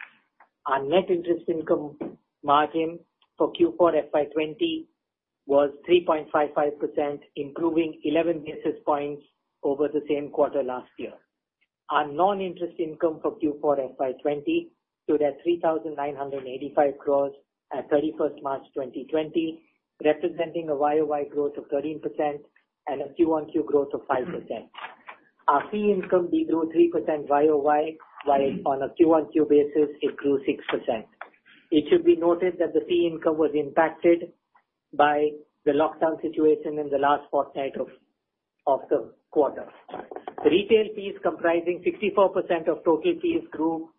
Our net interest income margin for Q4 FY20 was 3.55%, improving 11 basis points over the same quarter last year. Our non-interest income for Q4 FY20 stood at 3,985 crores at 31st March 2020, representing a YOY growth of 13% and a QoQ growth of 5%. Our fee income degrew 3% YOY, while on a QoQ basis, it grew 6%. It should be noted that the fee income was impacted by the lockdown situation in the last fortnight of the quarter. Retail fees comprising 64% of total fees grew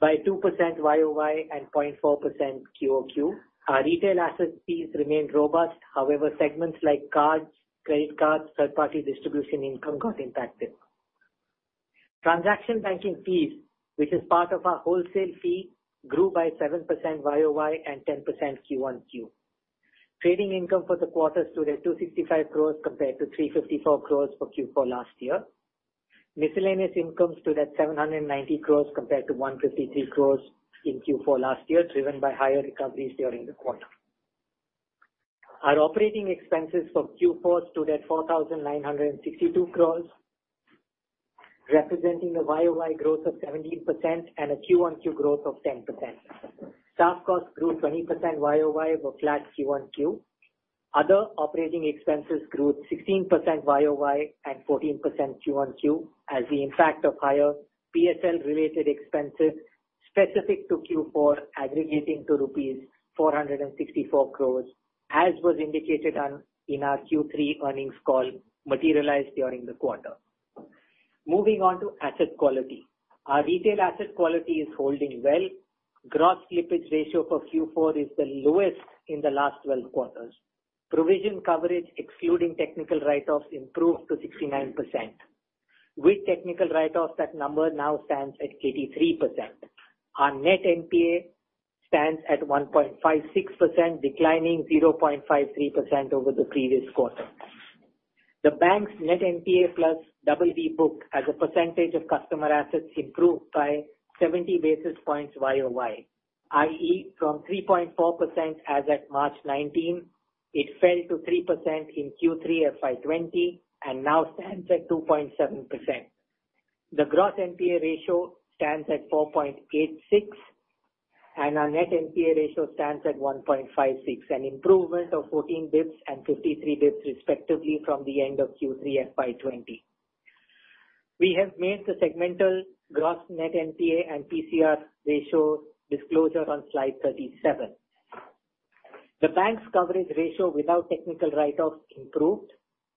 by 2% YoY and 0.4% QoQ. Our retail asset fees remained robust. However, segments like cards, credit cards, third-party distribution income got impacted. Transaction banking fees, which is part of our wholesale fee, grew by 7% YoY and 10% QoQ. Trading income for the quarter stood at 265 crore compared to 354 crore for Q4 last year. Miscellaneous income stood at 790 crore compared to 153 crore in Q4 last year, driven by higher recoveries during the quarter. Our operating expenses for Q4 stood at 4,962 crore, representing a YoY growth of 17% and a QoQ growth of 10%. Staff costs grew 20% YoY but flat QoQ. Other operating expenses grew 16% YOY and 14% QoQ as the impact of higher PSL-related expenses specific to Q4 aggregating to rupees 464 crore, as was indicated in our Q3 earnings call materialized during the quarter. Moving on to asset quality. Our retail asset quality is holding well. Gross slippage ratio for Q4 is the lowest in the last 12 quarters. Provision coverage, excluding technical write-offs, improved to 69%. With technical write-offs, that number now stands at 83%. Our net NPA stands at 1.56%, declining 0.53% over the previous quarter. The bank's net NPA plus BB book, as a percentage of customer assets, improved by 70 basis points YOY, i.e., from 3.4% as at March 2019, it fell to 3% in Q3 FY20 and now stands at 2.7%. The gross NPA ratio stands at 4.86, and our net NPA ratio stands at 1.56, an improvement of 14 bps and 53 bps, respectively, from the end of Q3 FY20. We have made the segmental gross net NPA and PCR ratio disclosure on slide 37. The bank's coverage ratio without technical write-offs improved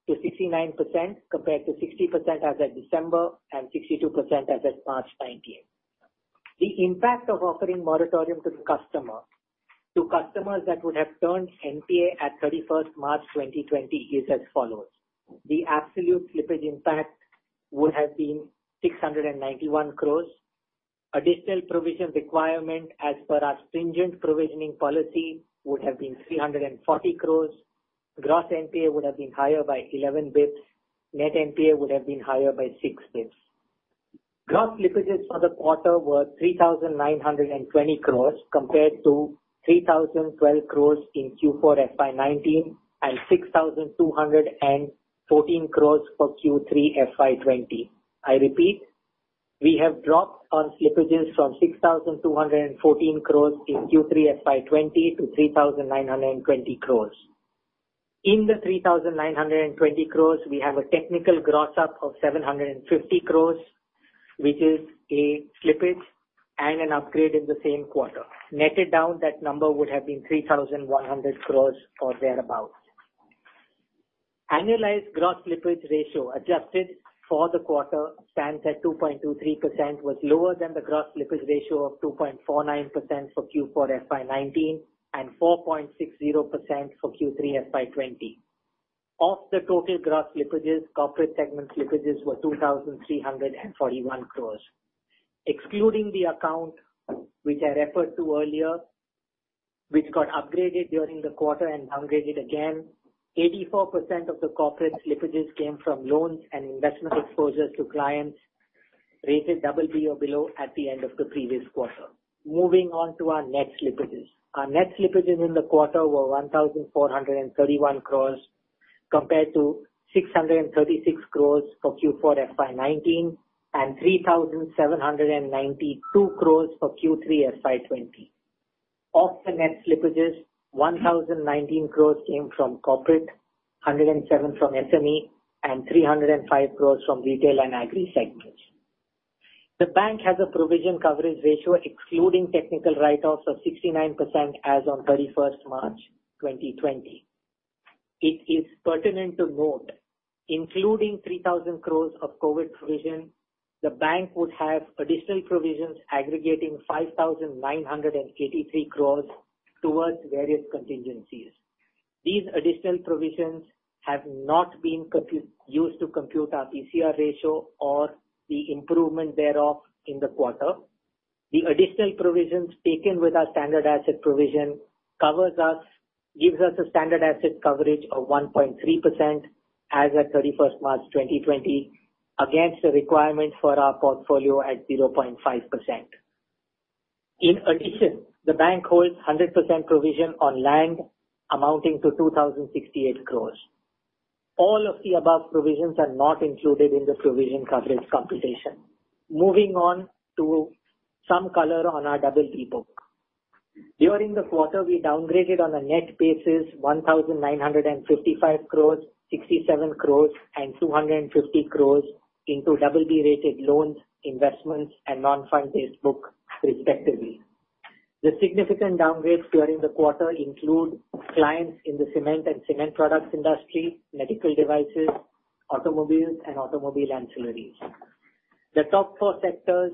to 69% compared to 60% as of December and 62% as of March 19. The impact of offering moratorium to customers that would have turned NPA at 31st March 2020 is as follows. The absolute slippage impact would have been 691 crore. Additional provision requirement, as per our stringent provisioning policy, would have been 340 crore. Gross NPA would have been higher by 11 bps. Net NPA would have been higher by 6 bps. Gross slippages for the quarter were 3,920 crore compared to 3,012 crore in Q4 FY19 and 6,214 crore for Q3 FY20. I repeat, we have dropped our slippages from 6,214 crores in Q3 FY20 to 3,920 crores. In the 3,920 crores, we have a technical gross up of 750 crores, which is a slippage and an upgrade in the same quarter. Netted down, that number would have been 3,100 crores or thereabouts. Annualized gross slippage ratio adjusted for the quarter stands at 2.23%, was lower than the gross slippage ratio of 2.49% for Q4 FY19 and 4.60% for Q3 FY20. Of the total gross slippages, corporate segment slippages were 2,341 crores. Excluding the account which I referred to earlier, which got upgraded during the quarter and downgraded again, 84% of the corporate slippages came from loans and investment exposures to clients rated BB or below at the end of the previous quarter. Moving on to our net slippages. Our net slippages in the quarter were 1,431 crore compared to 636 crore for Q4 FY19 and 3,792 crore for Q3 FY20. Of the net slippages, 1,019 crore came from corporate, 107 crore from SME, and 305 crore from retail and agri segments. The bank has a provision coverage ratio excluding technical write-offs of 69% as on 31st March 2020. It is pertinent to note, including 3,000 crore of COVID provision, the bank would have additional provisions aggregating 5,983 crore towards various contingencies. These additional provisions have not been used to compute our PCR ratio or the improvement thereof in the quarter. The additional provisions taken with our standard asset provision gives us a standard asset coverage of 1.3% as of 31st March 2020 against the requirement for our portfolio at 0.5%. In addition, the bank holds 100% provision on land amounting to 2,068 crore. All of the above provisions are not included in the provision coverage computation. Moving on to some color on our BB book. During the quarter, we downgraded on a net basis 1,955 crore, 67 crore, and 250 crore into BB-rated loans, investments, and non-fund-based books, respectively. The significant downgrades during the quarter include clients in the cement and cement products industry, medical devices, automobiles, and automobile ancillaries. The top four sectors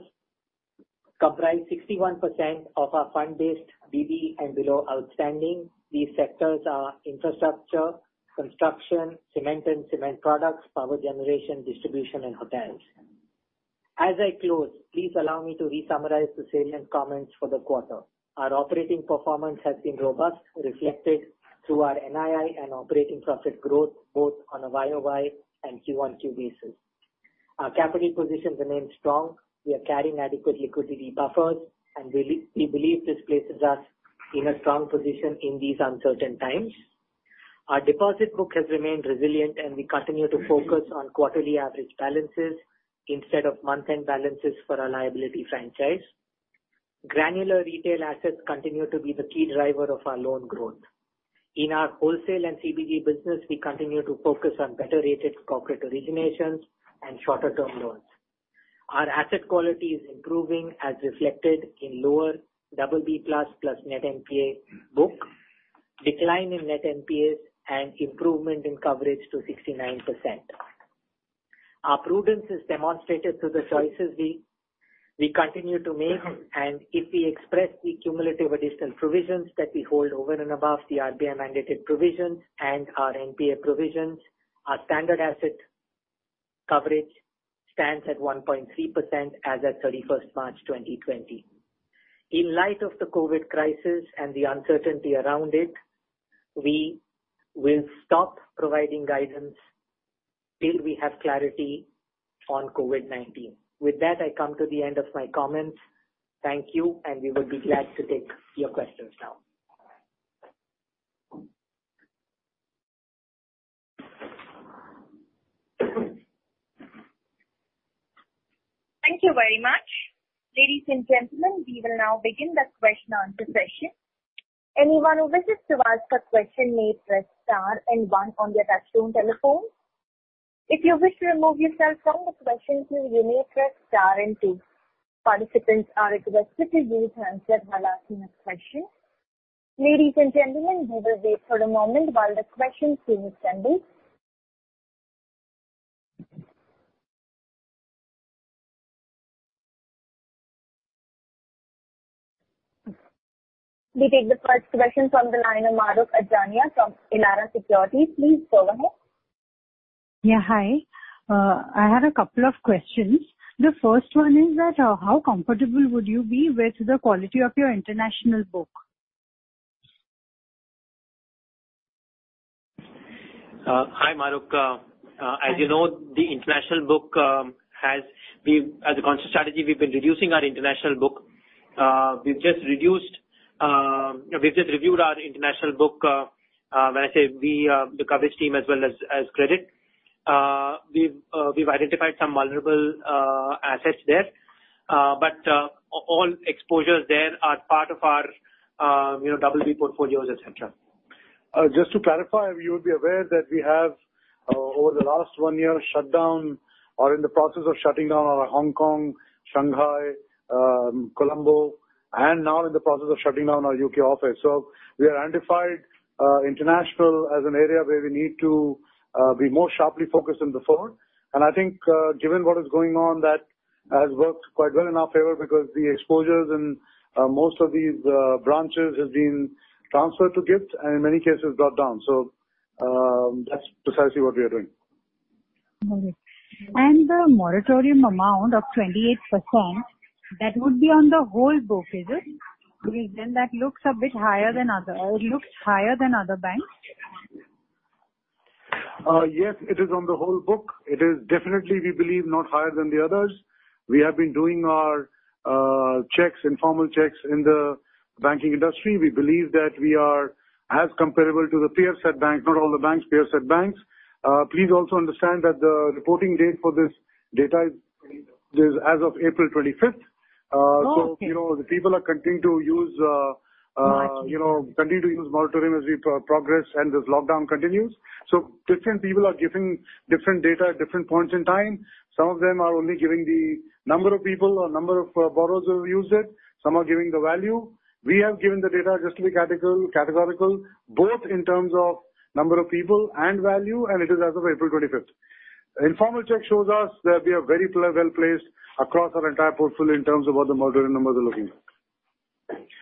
comprise 61% of our fund-based BB and below outstanding. These sectors are infrastructure, construction, cement and cement products, power generation, distribution, and hotels. As I close, please allow me to resummarize the salient comments for the quarter. Our operating performance has been robust, reflected through our NII and operating profit growth both on a YOY and QoQ basis. Our capital position remains strong. We are carrying adequate liquidity buffers, and we believe this places us in a strong position in these uncertain times. Our deposit book has remained resilient, and we continue to focus on quarterly average balances instead of month-end balances for our liability franchise. Granular retail assets continue to be the key driver of our loan growth. In our wholesale and CBG business, we continue to focus on better-rated corporate originations and shorter-term loans. Our asset quality is improving, as reflected in lower BB++ net NPA book, decline in net NPAs, and improvement in coverage to 69%. Our prudence is demonstrated through the choices we continue to make, and if we express the cumulative additional provisions that we hold over and above the RBI mandated provisions and our NPA provisions, our standard asset coverage stands at 1.3% as of 31st March 2020. In light of the COVID crisis and the uncertainty around it, we will stop providing guidance till we have clarity on COVID-19. With that, I come to the end of my comments. Thank you, and we would be glad to take your questions now. Thank you very much. Ladies and gentlemen, we will now begin the question-and-answer session. Anyone who wishes to ask a question may press star and one on the touchscreen telephone. If you wish to remove yourself from the question queue, you may press star and two. Participants are requested to use handsets while asking a question. Ladies and gentlemen, we will wait for a moment while the questions are assembled. We take the first question from the line of Mahrukh Adajania from Elara Capital. Please go ahead. Yeah, hi. I had a couple of questions. The first one is that how comfortable would you be with the quality of your international book? Hi, Mahrukh. As you know, the international book has been, as a conscious strategy, we've been reducing our international book. We've just reviewed our international book. When I say we, the coverage team as well as credit, we've identified some vulnerable assets there. But all exposures there are part of our BB portfolios, etc. Just to clarify, you would be aware that we have, over the last one year, shut down or in the process of shutting down our Hong Kong, Shanghai, Colombo, and now in the process of shutting down our UK office. So we identified international as an area where we need to be more sharply focused than before. And I think, given what is going on, that has worked quite well in our favor because the exposures in most of these branches have been transferred to GIFT and, in many cases, brought down. So that's precisely what we are doing. Got it. And the moratorium amount of 28%, that would be on the whole book, is it? Because then that looks a bit higher than other banks. Yes, it is on the whole book. It is definitely, we believe, not higher than the others. We have been doing our checks, informal checks, in the banking industry. We believe that we are as comparable to the peer-set banks, not all the banks, peer-set banks. Please also understand that the reporting date for this data is as of April 25th. So the people are continuing to use moratorium as we progress and as lockdown continues. So different people are giving different data at different points in time. Some of them are only giving the number of people or number of borrowers who have used it. Some are giving the value. We have given the data just to be categorical, both in terms of number of people and value, and it is as of April 25th. Informal check shows us that we are very well placed across our entire portfolio in terms of what the moratorium numbers are looking like.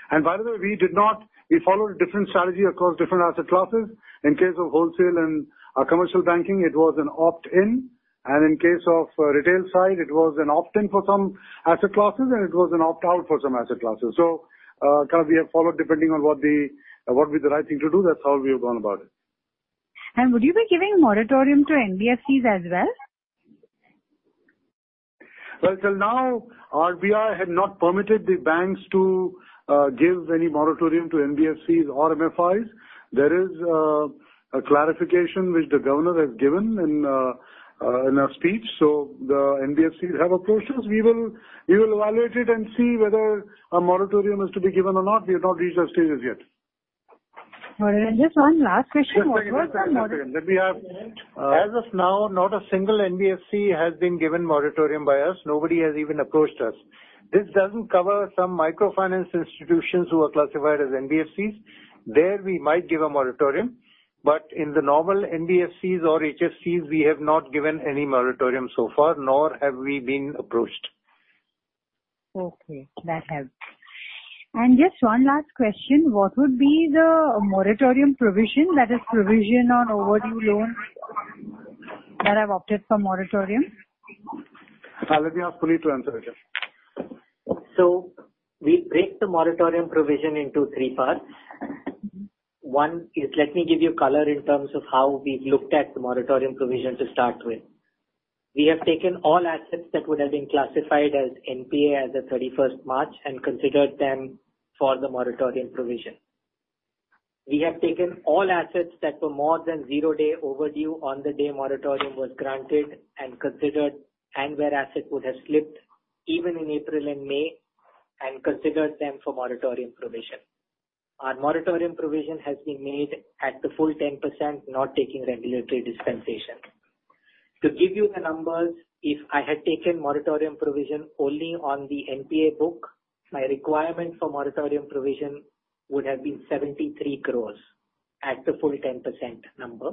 And by the way, we followed a different strategy across different asset classes. In case of wholesale and commercial banking, it was an opt-in. And in case of retail side, it was an opt-in for some asset classes, and it was an opt-out for some asset classes. So kind of we have followed depending on what would be the right thing to do. That's how we have gone about it. Would you be giving moratorium to NBFCs as well? Well, till now, RBI had not permitted the banks to give any moratorium to NBFCs or MFIs. There is a clarification which the governor has given in a speech. So the NBFCs have approached us. We will evaluate it and see whether a moratorium is to be given or not. We have not reached that stage as yet. Got it. And just one last question. What was the moratorium? Just a second. Let me ask. As of now, not a single NBFC has been given moratorium by us. Nobody has even approached us. This doesn't cover some microfinance institutions who are classified as NBFCs. There, we might give a moratorium. But in the normal NBFCs or HFCs, we have not given any moratorium so far, nor have we been approached. Okay. That helps. Just one last question. What would be the moratorium provision that is provisioned on overdue loans that have opted for moratorium? Let me ask Puneet to answer it, yes. So we break the moratorium provision into three parts. One is let me give you color in terms of how we've looked at the moratorium provision to start with. We have taken all assets that would have been classified as NPA as of 31st March and considered them for the moratorium provision. We have taken all assets that were more than zero-day overdue on the day moratorium was granted and considered and where assets would have slipped even in April and May and considered them for moratorium provision. Our moratorium provision has been made at the full 10%, not taking regulatory dispensation. To give you the numbers, if I had taken moratorium provision only on the NPA book, my requirement for moratorium provision would have been 73 crore at the full 10% number.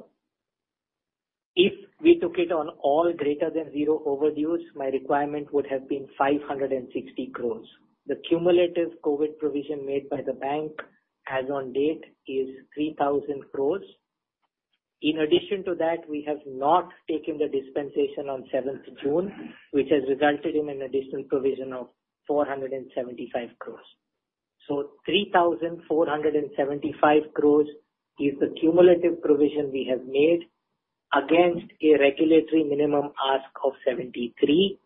If we took it on all greater than zero overdues, my requirement would have been 560 crore. The cumulative COVID provision made by the bank as on date is 3,000 crore. In addition to that, we have not taken the dispensation on 7th June, which has resulted in an additional provision of 475 crore. So 3,475 crore is the cumulative provision we have made against a regulatory minimum ask of 73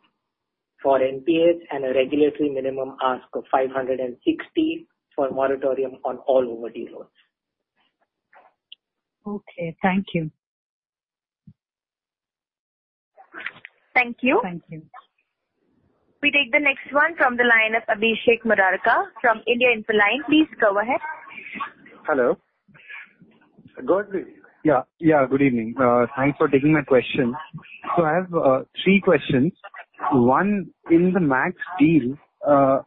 crore for NPAs and a regulatory minimum ask of 560 crore for moratorium on all overdue loans. Okay. Thank you. Thank you. Thank you. We take the next one from the line of Abhishek Murarka from IIFL Securities. Please go ahead. Hello. Good evening. Yeah, good evening. Thanks for taking my question. So I have three questions. One, in the Max deal,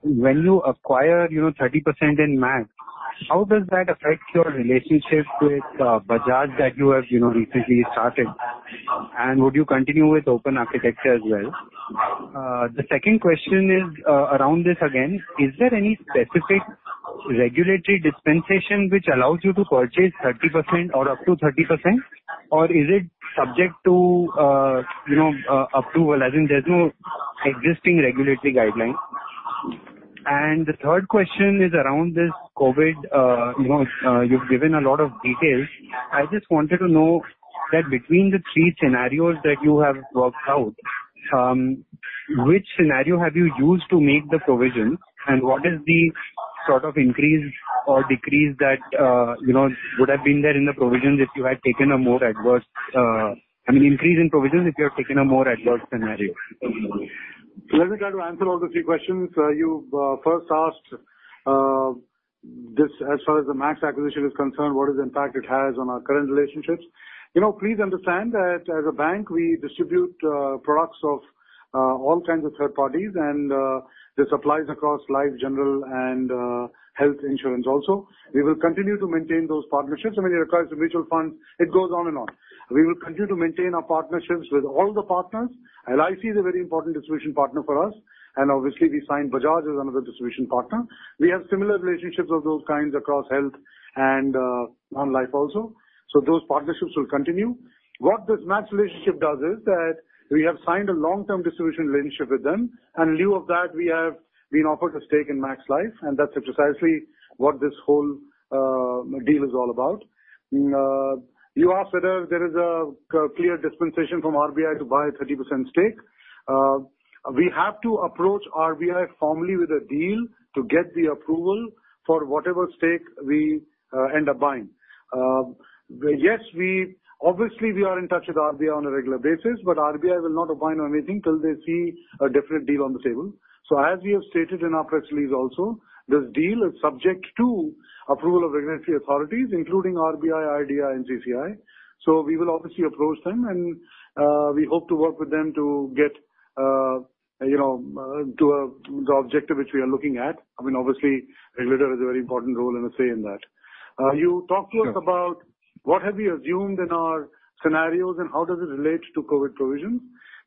when you acquire 30% in Max, how does that affect your relationship with Bajaj that you have recently started? And would you continue with open architecture as well? The second question is around this again. Is there any specific regulatory dispensation which allows you to purchase 30% or up to 30%? Or is it subject to approval? I mean, there's no existing regulatory guideline. And the third question is around this COVID. You've given a lot of details. I just wanted to know that between the three scenarios that you have worked out, which scenario have you used to make the provisions, and what is the sort of increase or decrease that would have been there in the provisions if you had taken a more adverse I mean, increase in provisions if you had taken a more adverse scenario? So let me try to answer all the three questions. You first asked this, as far as the Max acquisition is concerned, what is the impact it has on our current relationships. Please understand that as a bank, we distribute products of all kinds of third parties, and this applies across life, general, and health insurance also. We will continue to maintain those partnerships. I mean, it requires a mutual fund. It goes on and on. We will continue to maintain our partnerships with all the partners. LIC is a very important distribution partner for us, and obviously, we signed Bajaj as another distribution partner. We have similar relationships of those kinds across health and non-life also. So those partnerships will continue. What this Max relationship does is that we have signed a long-term distribution relationship with them. In lieu of that, we have been offered a stake in Max Life, and that's precisely what this whole deal is all about. You asked whether there is a clear dispensation from RBI to buy a 30% stake. We have to approach RBI formally with a deal to get the approval for whatever stake we end up buying. Yes, obviously, we are in touch with RBI on a regular basis, but RBI will not abide on anything till they see a different deal on the table. So as we have stated in our press release also, this deal is subject to approval of regulatory authorities, including RBI, IRDAI, and CCI. So we will obviously approach them, and we hope to work with them to get to the objective which we are looking at. I mean, obviously, regulators have a very important role and a say in that. You talked to us about what have we assumed in our scenarios, and how does it relate to COVID provisions.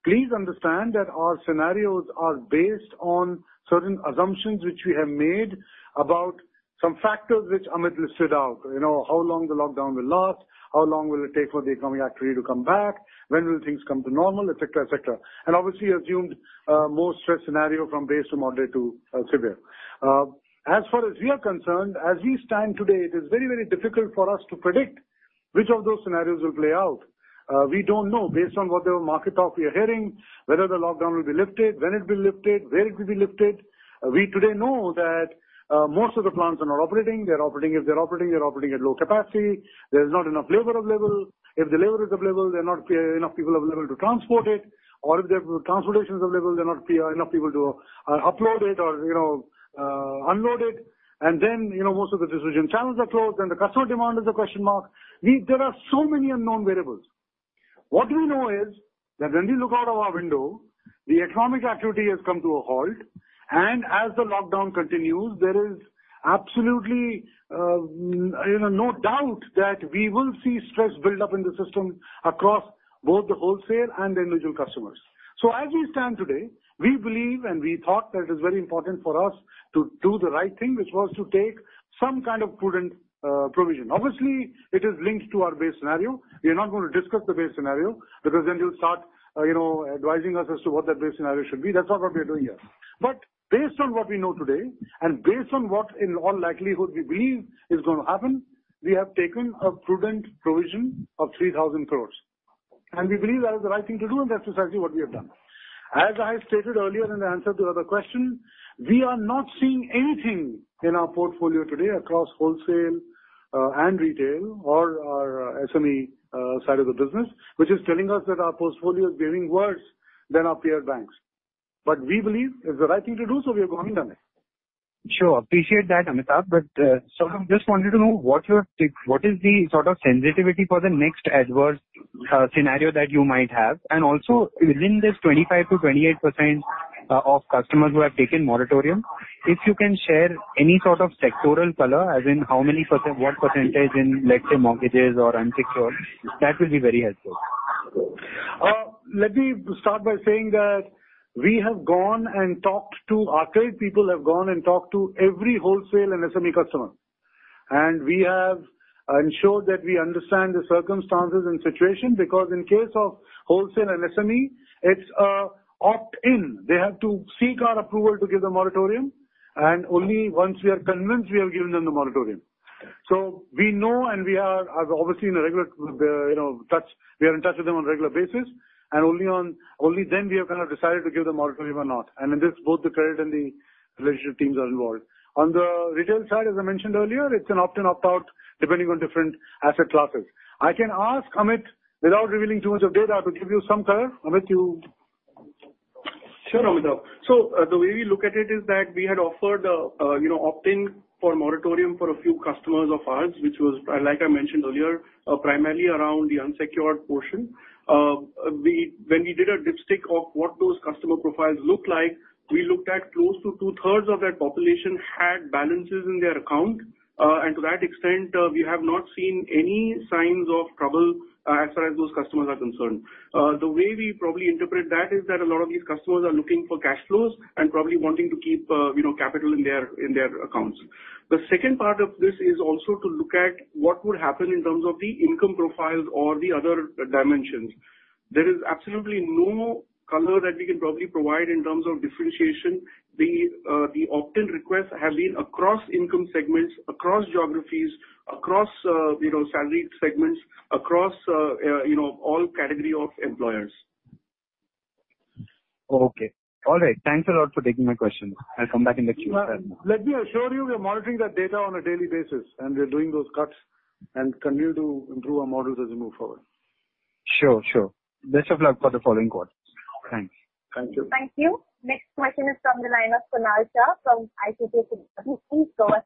Please understand that our scenarios are based on certain assumptions which we have made about some factors which Amit listed out: how long the lockdown will last, how long will it take for the economic activity to come back, when will things come to normal, etc., etc. And obviously, assumed most stress scenario from base to moderate to severe. As far as we are concerned, as we stand today, it is very, very difficult for us to predict which of those scenarios will play out. We don't know, based on whatever market talk we are hearing, whether the lockdown will be lifted, when it will be lifted, where it will be lifted. We today know that most of the plants are not operating. If they're operating, they're operating at low capacity. There's not enough labor available. If the labor is available, there are not enough people available to transport it. Or if the transportation is available, there are not enough people to upload it or unload it. And then most of the decision channels are closed, and the customer demand is a question mark. There are so many unknown variables. What we know is that when we look out of our window, the economic activity has come to a halt. And as the lockdown continues, there is absolutely no doubt that we will see stress build up in the system across both the wholesale and the individual customers. So as we stand today, we believe and we thought that it is very important for us to do the right thing, which was to take some kind of prudent provision. Obviously, it is linked to our base scenario. We are not going to discuss the base scenario because then you'll start advising us as to what that base scenario should be. That's not what we are doing here. But based on what we know today and based on what, in all likelihood, we believe is going to happen, we have taken a prudent provision of 3,000 crore. And we believe that is the right thing to do, and that's precisely what we have done. As I stated earlier in the answer to the other question, we are not seeing anything in our portfolio today across wholesale and retail or our SME side of the business which is telling us that our portfolio is behaving worse than our peer banks. But we believe it's the right thing to do, so we are going on it. Sure. Appreciate that, Amitabh. But sort of just wanted to know what is the sort of sensitivity for the next adverse scenario that you might have? And also, within this 25%-28% of customers who have taken moratorium, if you can share any sort of sectoral color, as in what percentage in, let's say, mortgages or unsecured, that will be very helpful. Let me start by saying that we have gone and talked to our people, have gone and talked to every wholesale and SME customer. We have ensured that we understand the circumstances and situation because, in case of wholesale and SME, it's an opt-in. They have to seek our approval to give the moratorium, and only once we are convinced, we have given them the moratorium. So we know, and we are obviously in regular touch with them on a regular basis. And only then we have kind of decided to give the moratorium or not. And in this, both the credit and the relationship teams are involved. On the retail side, as I mentioned earlier, it's an opt-in, opt-out depending on different asset classes. I can ask Amit, without revealing too much of data, to give you some color. Amit, you? Sure, Amitabh. So the way we look at it is that we had offered opt-in for moratorium for a few customers of ours, which was, like I mentioned earlier, primarily around the unsecured portion. When we did a dipstick of what those customer profiles looked like, we looked at close to two-thirds of that population had balances in their account. And to that extent, we have not seen any signs of trouble as far as those customers are concerned. The way we probably interpret that is that a lot of these customers are looking for cash flows and probably wanting to keep capital in their accounts. The second part of this is also to look at what would happen in terms of the income profiles or the other dimensions. There is absolutely no color that we can probably provide in terms of differentiation. The opt-in requests have been across income segments, across geographies, across salary segments, across all category of employers. Okay. All right. Thanks a lot for taking my question. I'll come back in the queue. Let me assure you, we are monitoring that data on a daily basis, and we are doing those cuts and continue to improve our models as we move forward. Sure, sure. Best of luck for the following quarter. Thanks. Thank you. Thank you. Next question is from the line of Kunal Shah from ICICI Securities. Please go ahead.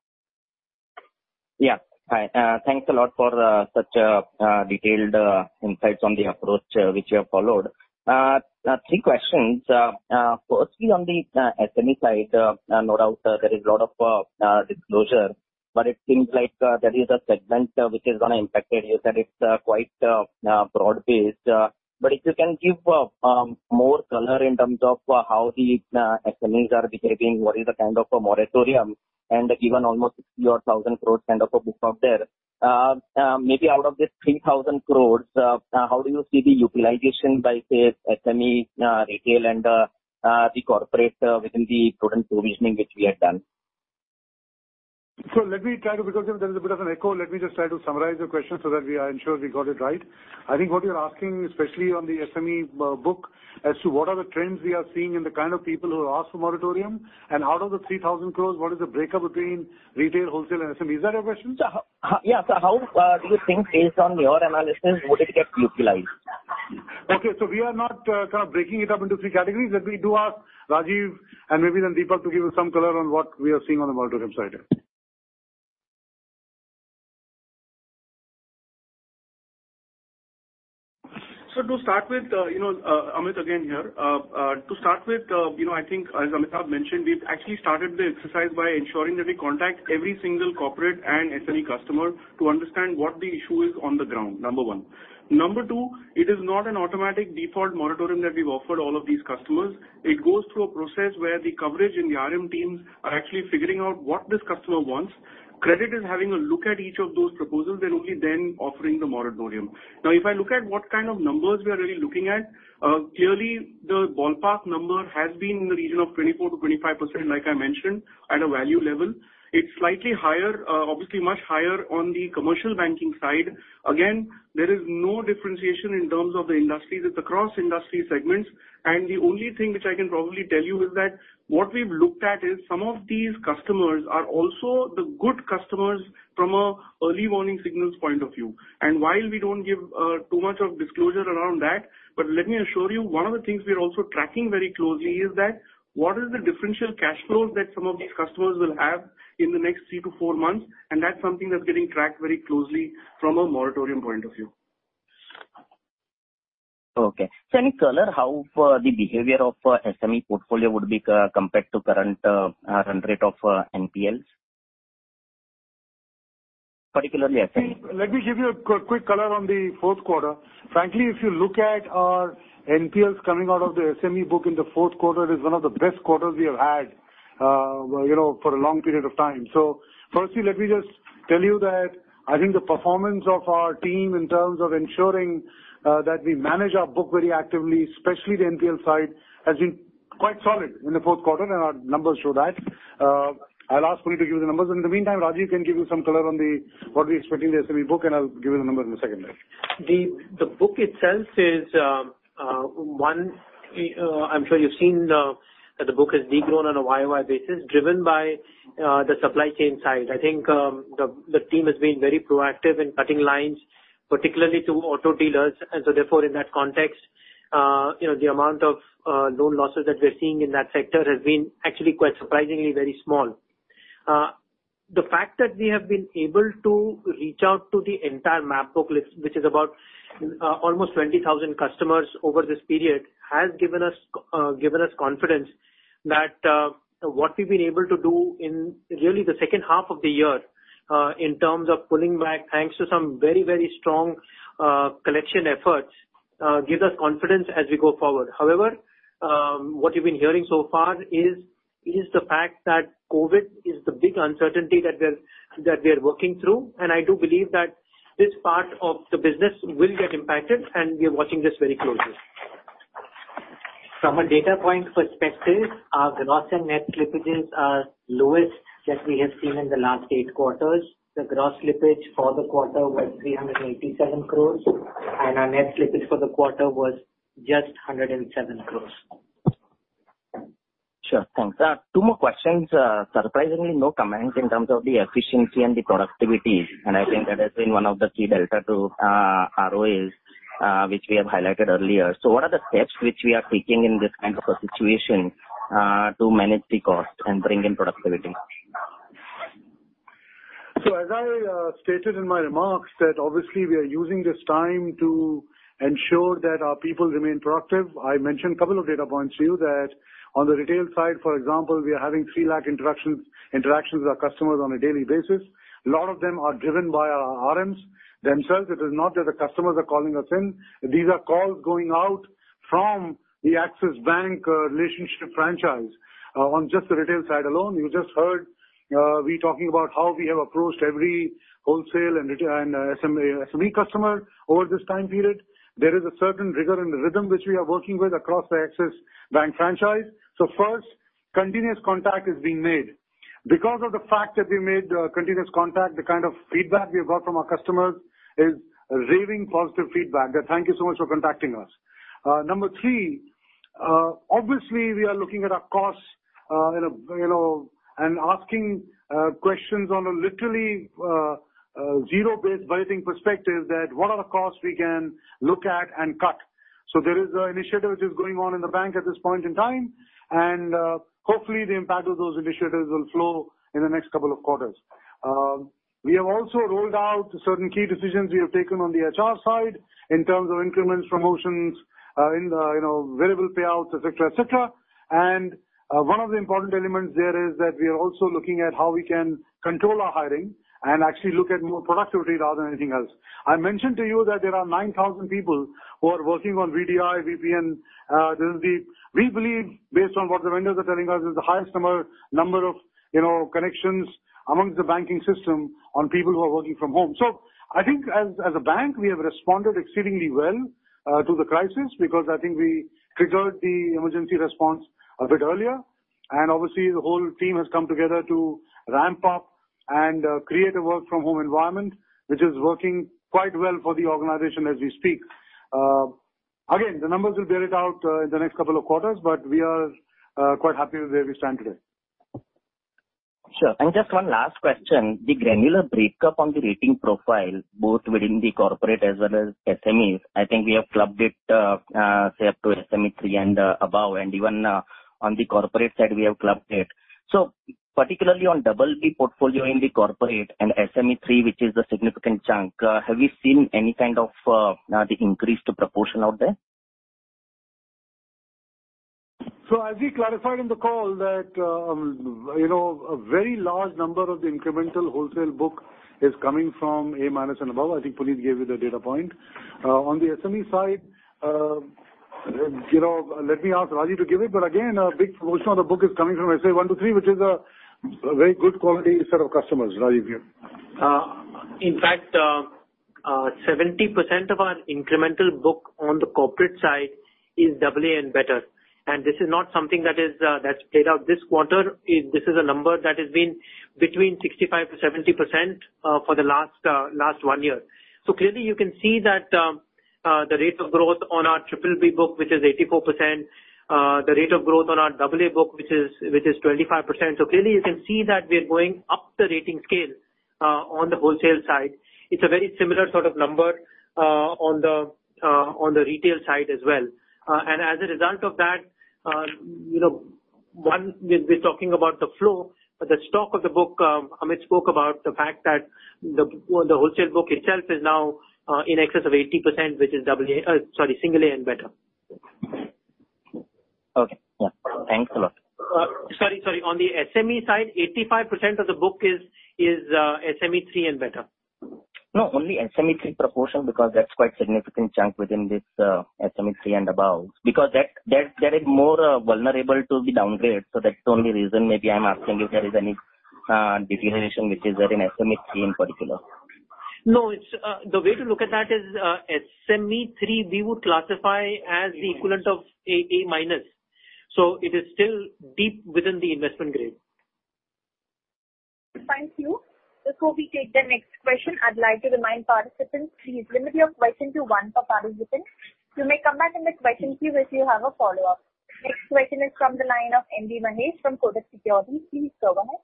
Yeah. Hi. Thanks a lot for such detailed insights on the approach which we have followed. Three questions. Firstly, on the SME side, no doubt there is a lot of disclosure, but it seems like there is a segment which is going to impact it. You said it's quite broad-based. But if you can give more color in terms of how the SMEs are behaving, what is the kind of a moratorium, and given almost 60 or 1,000 crores kind of a book out there, maybe out of this 3,000 crores, how do you see the utilization by, say, SME, retail, and the corporate within the prudent provisioning which we had done? So let me try to because there's a bit of an echo, let me just try to summarize your question so that we are ensured we got it right. I think what you're asking, especially on the SME book, as to what are the trends we are seeing in the kind of people who ask for moratorium, and out of the 3,000 crore, what is the breakup between retail, wholesale, and SME? Is that your question? Yeah. So how do you think, based on your analysis, would it get utilized? Okay. So we are not kind of breaking it up into three categories. Let me do ask Rajiv and maybe then Deepak to give us some color on what we are seeing on the moratorium side. To start with, Amit again here. To start with, I think, as Amitabh mentioned, we've actually started the exercise by ensuring that we contact every single corporate and SME customer to understand what the issue is on the ground, number one. Number two, it is not an automatic default moratorium that we've offered all of these customers. It goes through a process where the coverage and the RM teams are actually figuring out what this customer wants. Credit is having a look at each of those proposals and only then offering the moratorium. Now, if I look at what kind of numbers we are really looking at, clearly, the ballpark number has been in the region of 24%-25%, like I mentioned, at a value level. It's slightly higher, obviously much higher, on the commercial banking side. Again, there is no differentiation in terms of the industries. It's across industry segments. The only thing which I can probably tell you is that what we've looked at is some of these customers are also the good customers from an early warning signals point of view. While we don't give too much of disclosure around that, but let me assure you, one of the things we are also tracking very closely is that what is the differential cash flows that some of these customers will have in the next 3-4 months? That's something that's getting tracked very closely from a moratorium point of view. Okay. So any color how the behavior of SME portfolio would be compared to current run rate of NPLs, particularly SMEs? Let me give you a quick color on the fourth quarter. Frankly, if you look at our NPLs coming out of the SME book in the fourth quarter, it is one of the best quarters we have had for a long period of time. So firstly, let me just tell you that I think the performance of our team in terms of ensuring that we manage our book very actively, especially the NPL side, has been quite solid in the fourth quarter, and our numbers show that. I'll ask Puneet to give you the numbers. And in the meantime, Rajiv can give you some color on what we expect in the SME book, and I'll give you the numbers in a second. The book itself is one. I'm sure you've seen that the book is degrown on a YoY basis, driven by the supply chain side. I think the team has been very proactive in cutting lines, particularly to auto dealers. So therefore, in that context, the amount of loan losses that we're seeing in that sector has been actually quite surprisingly very small. The fact that we have been able to reach out to the entire MEG book, which is about almost 20,000 customers over this period, has given us confidence that what we've been able to do in really the second half of the year in terms of pulling back, thanks to some very, very strong collection efforts, gives us confidence as we go forward. However, what you've been hearing so far is the fact that COVID is the big uncertainty that we are working through. I do believe that this part of the business will get impacted, and we are watching this very closely. From a data point perspective, our gross and net slippages are lowest that we have seen in the last 8 quarters. The gross slippage for the quarter was 387 crore, and our net slippage for the quarter was just 107 crore. Sure. Thanks. Two more questions. Surprisingly, no comments in terms of the efficiency and the productivity. I think that has been one of the key delta to ROAs, which we have highlighted earlier. What are the steps which we are taking in this kind of a situation to manage the cost and bring in productivity? So as I stated in my remarks that obviously, we are using this time to ensure that our people remain productive. I mentioned a couple of data points to you that on the retail side, for example, we are having 300,000 interactions with our customers on a daily basis. A lot of them are driven by our RMs themselves. It is not that the customers are calling us in. These are calls going out from the Axis Bank relationship franchise. On just the retail side alone, you just heard me talking about how we have approached every wholesale and SME customer over this time period. There is a certain rigor and rhythm which we are working with across the Axis Bank franchise. So first, continuous contact is being made. Because of the fact that we made continuous contact, the kind of feedback we have got from our customers is raving positive feedback that, "Thank you so much for contacting us." Number three, obviously, we are looking at our costs and asking questions on a literally zero-based budgeting perspective that what are the costs we can look at and cut? So there is an initiative which is going on in the bank at this point in time. And hopefully, the impact of those initiatives will flow in the next couple of quarters. We have also rolled out certain key decisions we have taken on the HR side in terms of increments, promotions, variable payouts, etc., etc. And one of the important elements there is that we are also looking at how we can control our hiring and actually look at more productivity rather than anything else. I mentioned to you that there are 9,000 people who are working on VDI, VPN. We believe, based on what the vendors are telling us, it's the highest number of connections amongst the banking system on people who are working from home. So I think, as a bank, we have responded exceedingly well to the crisis because I think we triggered the emergency response a bit earlier. And obviously, the whole team has come together to ramp up and create a work-from-home environment which is working quite well for the organization as we speak. Again, the numbers will bear it out in the next couple of quarters, but we are quite happy with where we stand today. Sure. And just one last question. The granular breakup on the rating profile, both within the corporate as well as SMEs, I think we have clubbed it, say, up to SME 3 and above. And even on the corporate side, we have clubbed it. So particularly on BB portfolio in the corporate and SME 3, which is the significant chunk, have we seen any kind of the increased proportion out there? As we clarified in the call that a very large number of the incremental wholesale book is coming from A- and above, I think Puneet gave you the data point. On the SME side, let me ask Rajiv to give it. But again, a big proportion of the book is coming from, say, one to three, which is a very good quality set of customers, Rajiv here. In fact, 70% of our incremental book on the corporate side is AA and better. And this is not something that's played out this quarter. This is a number that has been between 65%-70% for the last 1 year. So clearly, you can see that the rate of growth on our BBB book, which is 84%, the rate of growth on our AA book, which is 25%. So clearly, you can see that we are going up the rating scale on the wholesale side. It's a very similar sort of number on the retail side as well. And as a result of that, one, we're talking about the flow. But the stock of the book, Amit spoke about the fact that the wholesale book itself is now in excess of 80%, which is AA sorry, single A and better. Okay. Yeah. Thanks a lot. Sorry, sorry. On the SME side, 85% of the book is SME 3 and better? No, only SME 3 proportion because that's quite a significant chunk within this SME 3 and above because there is more vulnerable to be downgraded. So that's the only reason maybe I'm asking if there is any deterioration which is there in SME 3 in particular. No, the way to look at that is SME 3, we would classify as the equivalent of A-. So it is still deep within the investment grade. Thank you. Before we take the next question, I'd like to remind participants, please limit your question to one per participant. You may come back in the question queue if you have a follow-up. Next question is from the line of M.B. Mahesh from Kotak Securities. Please go ahead.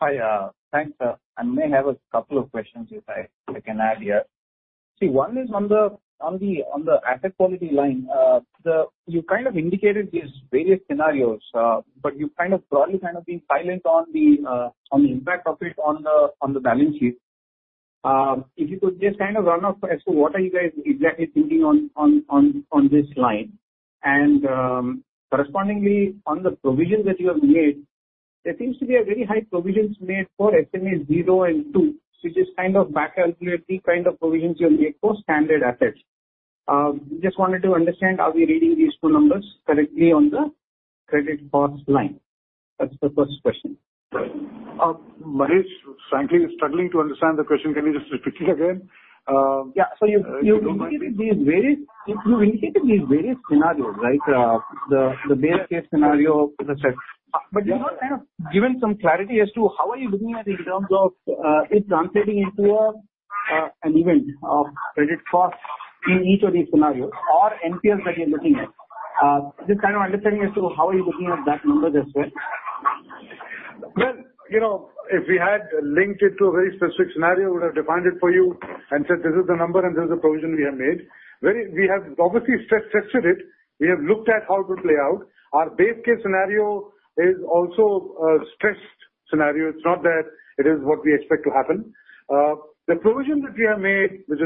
Hi. Thanks. I may have a couple of questions if I can add here. See, one is on the asset quality line. You kind of indicated these various scenarios, but you've kind of broadly kind of been silent on the impact of it on the balance sheet. If you could just kind of run off as to what are you guys exactly thinking on this line. And correspondingly, on the provisions that you have made, there seems to be a very high provisions made for SMA 0 and 2. So just kind of backcalculate the kind of provisions you have made for standard assets. Just wanted to understand, are we reading these two numbers correctly on the credit cost line? That's the first question. Mahesh, frankly, is struggling to understand the question. Can you just repeat it again? Yeah. So you've indicated these various scenarios, right? The base case scenario, the. But you've not kind of given some clarity as to how are you looking at it in terms of it translating into an event of credit cost in each of these scenarios or NPLs that you're looking at. Just kind of understanding as to how are you looking at that number as well. Well, if we had linked it to a very specific scenario, we would have defined it for you and said, "This is the number, and this is the provision we have made." We have obviously stress-tested it. We have looked at how it would play out. Our base case scenario is also a stressed scenario. It's not that it is what we expect to happen. The provision that we have made, which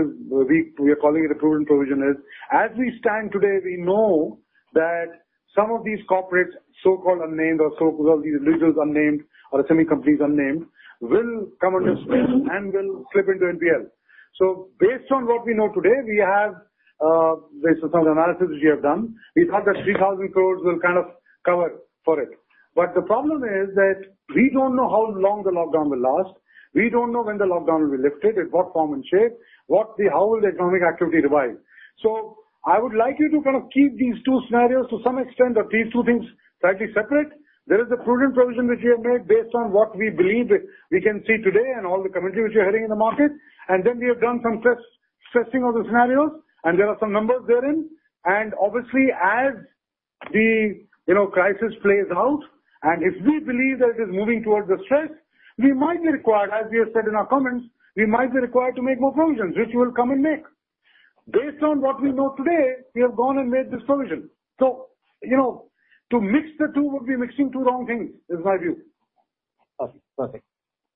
we are calling it a proven provision, is as we stand today, we know that some of these corporates, so-called unnamed or so-called these individuals unnamed or SME companies unnamed will come under stress and will slip into NPA. So based on what we know today, we have based on some of the analysis which we have done, we thought that 3,000 crore will kind of cover for it. But the problem is that we don't know how long the lockdown will last. We don't know when the lockdown will be lifted, in what form and shape, how will the economic activity revive. So I would like you to kind of keep these two scenarios to some extent or these two things slightly separate. There is a prudent provision which we have made based on what we believe we can see today and all the commentary which you're hearing in the market. And then we have done some stress-testing of the scenarios, and there are some numbers therein. And obviously, as the crisis plays out and if we believe that it is moving towards the stress, we might be required, as we have said in our comments, we might be required to make more provisions, which we will come and make. Based on what we know today, we have gone and made this provision. So to mix the two, we'll be mixing two wrong things, is my view. Okay. Perfect.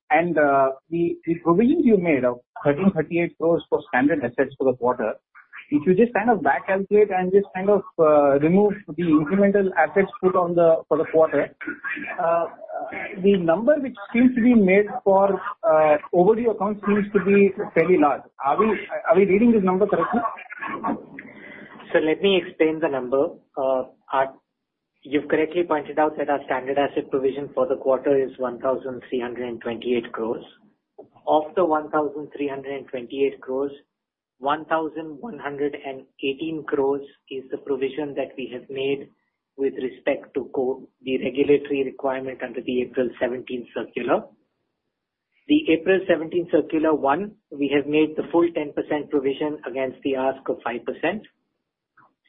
The provisions you made of 13.38 crores for standard assets for the quarter, if you just kind of backcalculate and just kind of remove the incremental assets put on the for the quarter, the number which seems to be made for overdue accounts seems to be fairly large. Are we reading this number correctly? So let me explain the number. You've correctly pointed out that our standard asset provision for the quarter is 1,328 crores. Of the 1,328 crores, 1,118 crores is the provision that we have made with respect to the regulatory requirement under the April 17 circular. The April 17 circular, one, we have made the full 10% provision against the ask of 5%.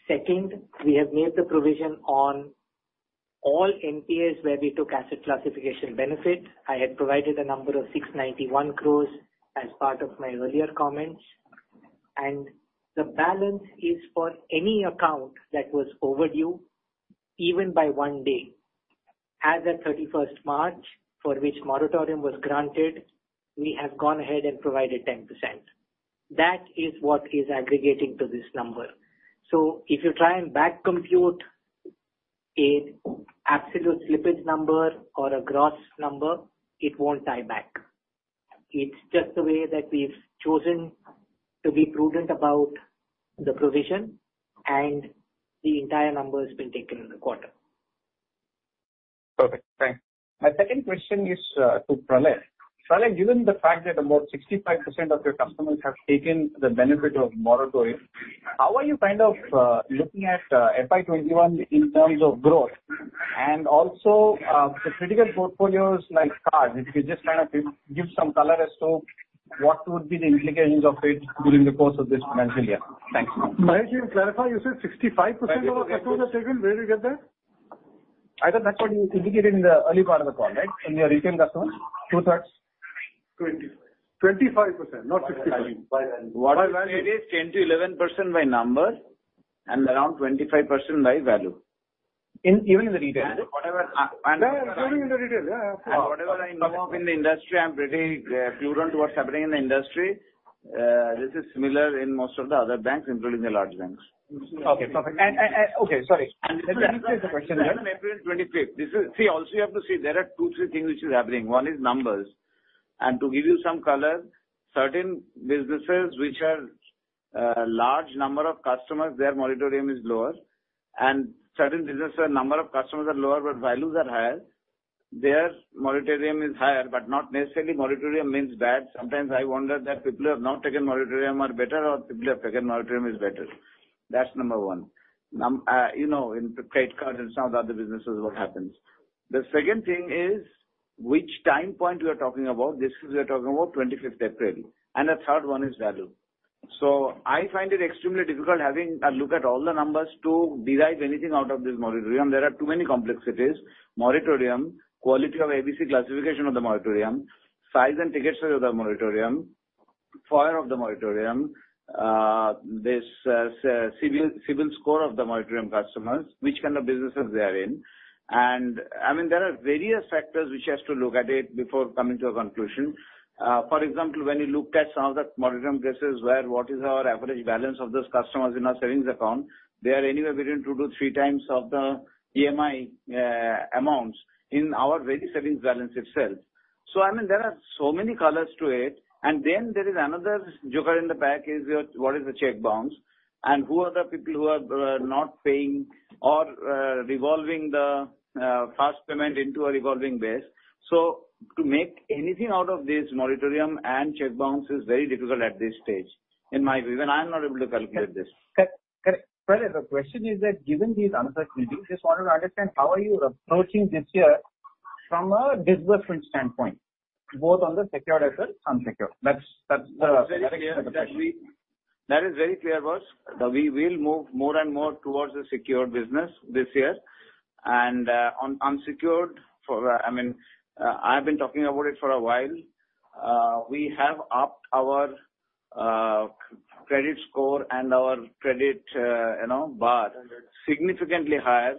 Second, we have made the provision on all NPLs where we took asset classification benefit. I had provided a number of 691 crores as part of my earlier comments. And the balance is for any account that was overdue, even by one day. As of 31st March, for which moratorium was granted, we have gone ahead and provided 10%. That is what is aggregating to this number. So if you try and backcompute an absolute slippage number or a gross number, it won't tie back. It's just the way that we've chosen to be prudent about the provision, and the entire number has been taken in the quarter. Okay. Thanks. My second question is to Pralay. Pralay, given the fact that about 65% of your customers have taken the benefit of moratorium, how are you kind of looking at FY21 in terms of growth and also the critical portfolios like cars? If you could just kind of give some color as to what would be the implications of it during the course of this financial year. Thanks. Mahesh, can you clarify? You said 65% of our customers have taken? Where do you get that? Either that's what you indicated in the early part of the call, right? In your retail customers, 2/3? 25. 25%, not 65. What is it? What I'm saying is 10%-11% by number and around 25% by value. Even in the retail? Whatever. Yeah. During in the retail. Yeah. Yeah. And whatever I know. Come off in the industry, I'm pretty prudent towards happening in the industry. This is similar in most of the other banks, including the large banks. Okay. Perfect. Okay. Sorry. Let me rephrase the question here. Let's start on April 25th. See, also, you have to see, there are 2, 3 things which is happening. One is numbers. To give you some color, certain businesses which are a large number of customers, their moratorium is lower. Certain businesses, a number of customers are lower, but values are higher. Their moratorium is higher, but not necessarily moratorium means bad. Sometimes I wonder that people who have not taken moratorium are better or people who have taken moratorium is better. That's number one. In credit cards and some of the other businesses, what happens? The second thing is which time point we are talking about. This is we are talking about 25th April. The third one is value. So I find it extremely difficult having a look at all the numbers to derive anything out of this moratorium. There are too many complexities: moratorium, quality of ABC classification of the moratorium, size and ticket size of the moratorium, FOIR of the moratorium, this CIBIL score of the moratorium customers, which kind of businesses they are in. And I mean, there are various factors which has to look at it before coming to a conclusion. For example, when you look at some of the moratorium cases where, what is our average balance of those customers in our savings account? They are anywhere between two to three times of the EMI amounts in our very savings balance itself. So I mean, there are so many colors to it. And then there is another joker in the pack is what is the check bounce and who are the people who are not paying or revolving the fast payment into a revolving base. To make anything out of this moratorium and check bounce is very difficult at this stage, in my view. I am not able to calculate this. Pralay, the question is that given these uncertainties, I just wanted to understand how are you approaching this year from a disbursement standpoint, both on the secured as well as unsecured? That's the question. That is very clear, boss. We will move more and more towards the secured business this year. And on unsecured, I mean, I have been talking about it for a while. We have upped our credit score and our credit bar significantly higher,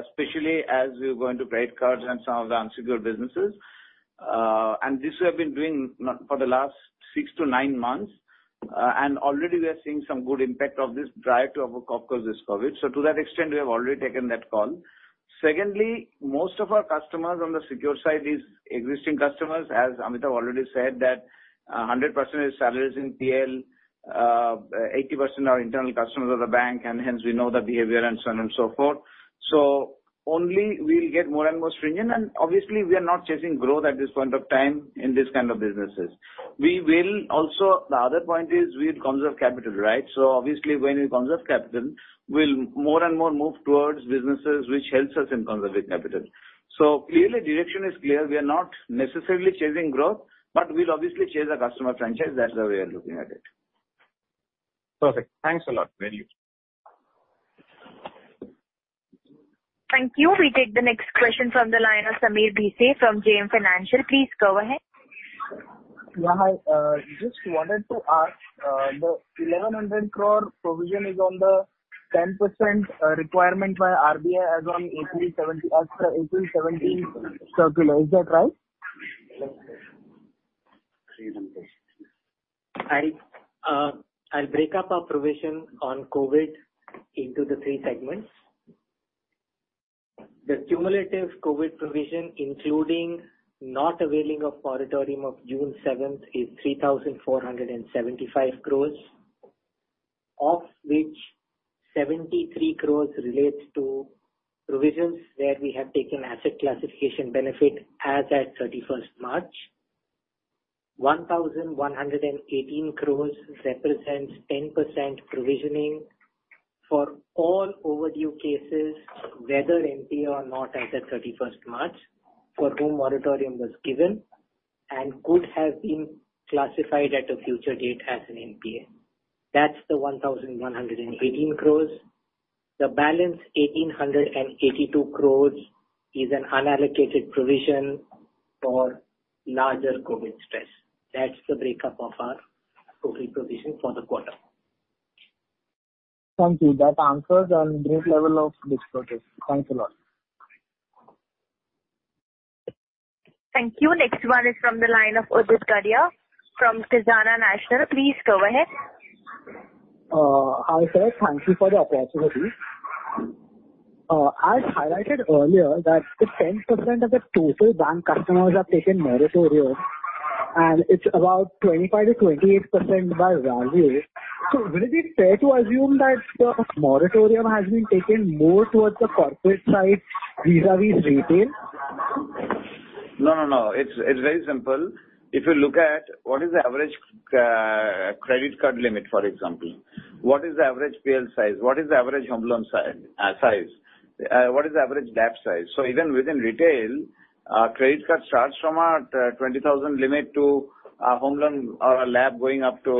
especially as we're going to credit cards and some of the unsecured businesses. And this we have been doing for the last 6-9 months. And already, we are seeing some good impact of this drive to overcome, of course, this COVID. So to that extent, we have already taken that call. Secondly, most of our customers on the secured side is existing customers. As Amitabh already said, that 100% of his salary is in PL, 80% are internal customers of the bank. And hence, we know the behavior and so on and so forth. So only we'll get more and more stringent. And obviously, we are not chasing growth at this point of time in this kind of businesses. The other point is we conserve capital, right? So obviously, when we conserve capital, we'll more and more move towards businesses which helps us in conserving capital. So clearly, direction is clear. We are not necessarily chasing growth, but we'll obviously chase a customer franchise. That's how we are looking at it. Perfect. Thanks a lot. Thank you. Thank you. We take the next question from the line of Sameer Bhise from JM Financial. Please go ahead. Yeah. Hi. Just wanted to ask, the 1,100 crore provision is on the 10% requirement by RBI as on April 17 circular. Is that right? I'll break up our provision on COVID into the three segments. The cumulative COVID provision, including not availing of moratorium of June 7th, is 3,475 crores, of which 73 crores relates to provisions where we have taken asset classification benefit as of 31st March. 1,118 crores represents 10% provisioning for all overdue cases, whether NPL or not, as of 31st March, for whom moratorium was given and could have been classified at a future date as an NPL. That's the 1,118 crores. The balance, 1,882 crores, is an unallocated provision for larger COVID stress. That's the breakup of our COVID provision for the quarter. Thank you. That answers it and great level of detail. Thanks a lot. Thank you. Next one is from the line of Udit Gadia from Khazanah Nasional. Please go ahead. Hi, sir. Thank you for the opportunity. As highlighted earlier, that 10% of the total bank customers have taken moratorium, and it's about 25%-28% by value. So will it be fair to assume that the moratorium has been taken more towards the corporate side vis-à-vis retail? No, no, no. It's very simple. If you look at what is the average credit card limit, for example? What is the average PL size? What is the average home loan size? What is the average LAP size? So even within retail, credit card starts from our 20,000 limit to home loan or a LAP going up to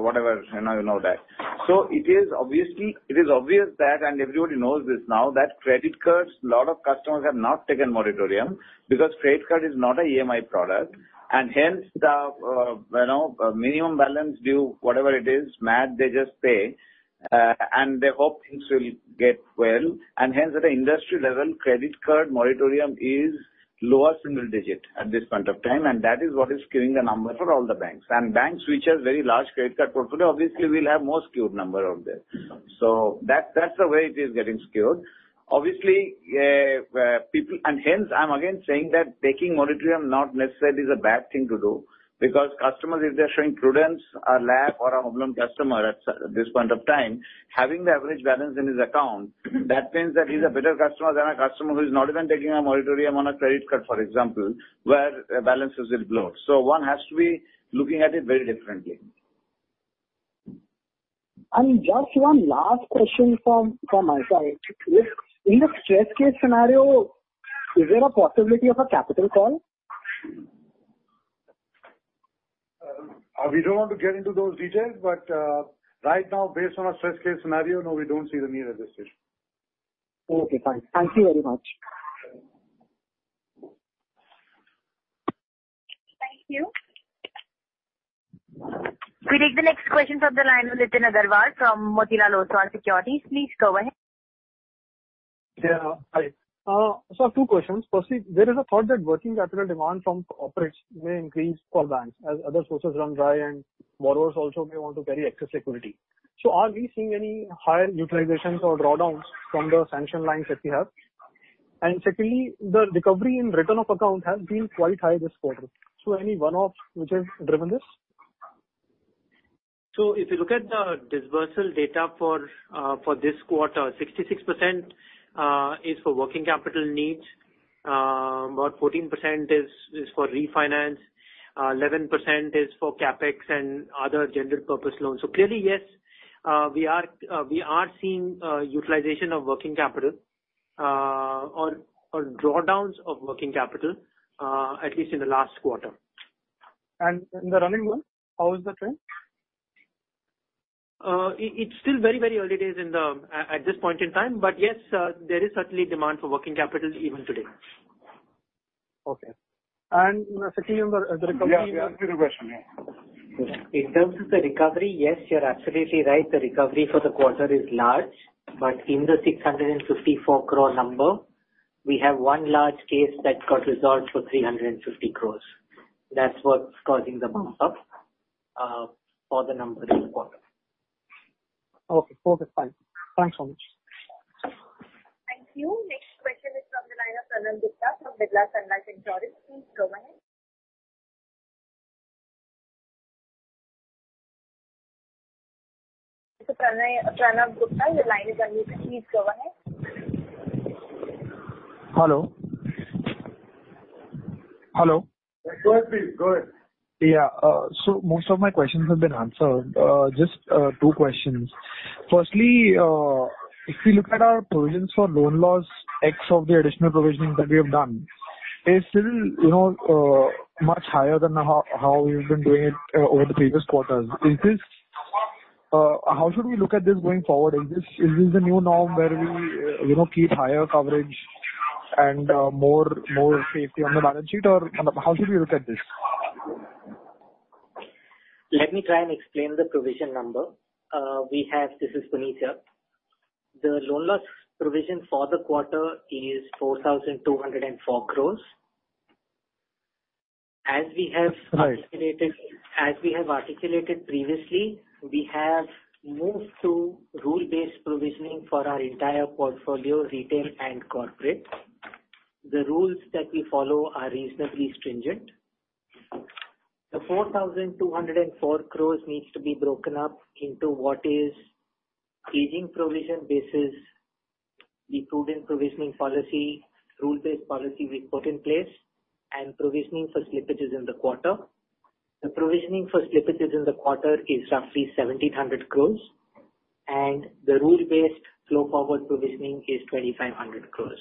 whatever. You know that. So it is obvious that and everybody knows this now that credit cards, a lot of customers have not taken moratorium because credit card is not a EMI product. And hence, the minimum balance due, whatever it is, MAD, they just pay, and they hope things will get well. And hence, at an industry level, credit card moratorium is lower single digit at this point of time. And that is what is skewing the number for all the banks. Banks which have very large credit card portfolio, obviously, will have more skewed number out there. So that's the way it is getting skewed. Obviously, people and hence, I'm again saying that taking moratorium not necessarily is a bad thing to do because customers, if they're showing prudence, a LAP or a home loan customer at this point of time, having the average balance in his account, that means that he's a better customer than a customer who is not even taking a moratorium on a credit card, for example, where balances will float. So one has to be looking at it very differently. Just one last question from my side. In the stress case scenario, is there a possibility of a capital call? We don't want to get into those details. Right now, based on a stress case scenario, no, we don't see the need at this stage. Okay. Fine. Thank you very much. Thank you. We take the next question from the line with Nitin Aggarwal from Motilal Oswal Securities. Please go ahead. Yeah. Hi. So I have two questions. Firstly, there is a thought that working capital demand from corporates may increase for banks as other sources run dry and borrowers also may want to carry excess liquidity. So are we seeing any higher utilizations or drawdowns from the sanction lines that we have? And secondly, the recovery in return of account has been quite high this quarter. So any one-offs which have driven this? So if you look at the disbursal data for this quarter, 66% is for working capital needs. About 14% is for refinance. 11% is for CapEx and other general purpose loans. So clearly, yes, we are seeing utilization of working capital or drawdowns of working capital, at least in the last quarter. In the running one, how is that trend? It's still very, very early days at this point in time. But yes, there is certainly demand for working capital even today. Okay. Sameer, the recovery? Yeah. Yeah. I have a quicker question. Yeah. In terms of the recovery, yes, you're absolutely right. The recovery for the quarter is large. But in the 654 crore number, we have one large case that got resolved for 350 crores. That's what's causing the bump-up for the number this quarter. Okay. Perfect. Fine. Thanks so much. Thank you. Next question is from the line of Pranav Gupta from Aditya Birla Sun Life Insurance. Please go ahead. Mr. Pranav Gupta, your line is unmuted. Please go ahead. Hello. Hello. Go ahead, please. Go ahead. Yeah. So most of my questions have been answered. Just two questions. Firstly, if we look at our provisions for loan losses, excess of the additional provisioning that we have done, is still much higher than how we've been doing it over the previous quarters? How should we look at this going forward? Is this the new norm where we keep higher coverage and more safety on the balance sheet, or how should we look at this? Let me try and explain the provision number. This is Puneet Sharma. The loan loss provision for the quarter is 4,204 crores. As we have articulated previously, we have moved to rule-based provisioning for our entire portfolio, retail, and corporate. The rules that we follow are reasonably stringent. The 4,204 crores needs to be broken up into what is aging provision basis, the prudent provisioning policy, rule-based policy we've put in place, and provisioning for slippages in the quarter. The provisioning for slippages in the quarter is roughly 1,700 crores. The rule-based flow-forward provisioning is 2,500 crores.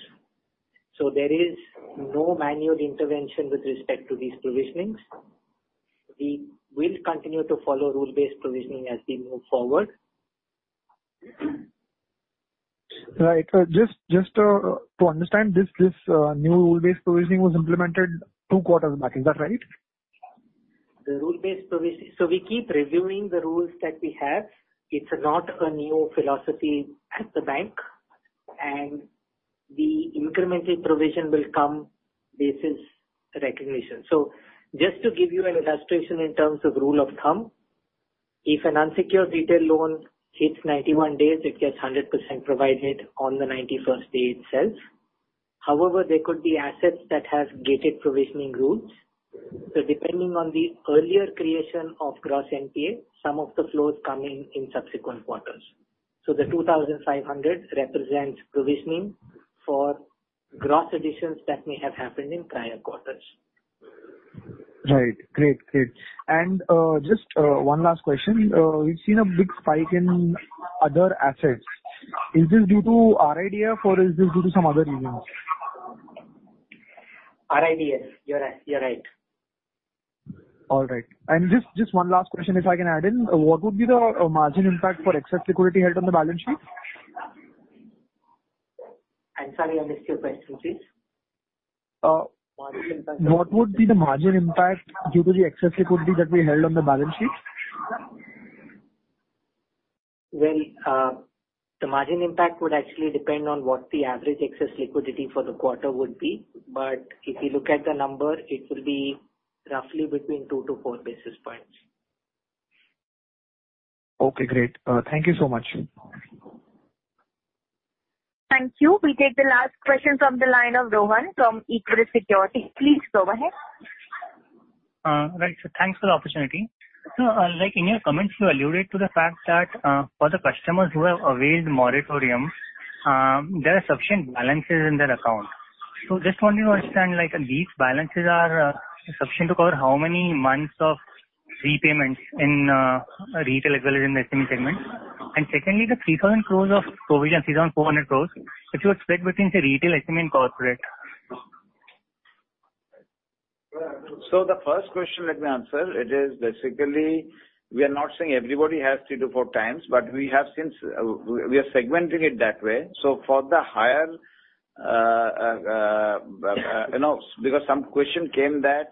There is no manual intervention with respect to these provisionings. We will continue to follow rule-based provisioning as we move forward. Right. Just to understand, this new rule-based provisioning was implemented two quarters back. Is that right? The rule-based provision, so we keep reviewing the rules that we have. It's not a new philosophy at the bank. The incremental provision will come basis recognition. Just to give you an illustration in terms of rule of thumb, if an unsecured retail loan hits 91 days, it gets 100% provided on the 91st day itself. However, there could be assets that have gated provisioning rules. Depending on the earlier creation of gross NPA, some of the flows come in in subsequent quarters. The 2,500 represents provisioning for gross additions that may have happened in prior quarters. Right. Great. Great. And just one last question. We've seen a big spike in other assets. Is this due to RIDF, or is this due to some other reasons? RIDF. You're right. All right. And just one last question, if I can add in. What would be the margin impact for excess liquidity held on the balance sheet? I'm sorry. I missed your question, please. Margin impact of. What would be the margin impact due to the excess liquidity that we held on the balance sheet? Well, the margin impact would actually depend on what the average excess liquidity for the quarter would be. But if you look at the number, it will be roughly between 2-4 basis points. Okay. Great. Thank you so much. Thank you. We take the last question from the line of Rohan from Equirus Securities. Please go ahead. Right. Thanks for the opportunity. In your comments, you alluded to the fact that for the customers who have availed moratorium, there are sufficient balances in their account. Just wanting to understand, these balances are sufficient to cover how many months of repayments in retail as well as in the SME segment? Secondly, the 3,000 crore of provision, 3,400 crore, if you would split between the retail, SME, and corporate? So the first question that we answer, it is basically, we are not saying everybody has to do 4x, but we have seen we are segmenting it that way. So for the higher because some question came that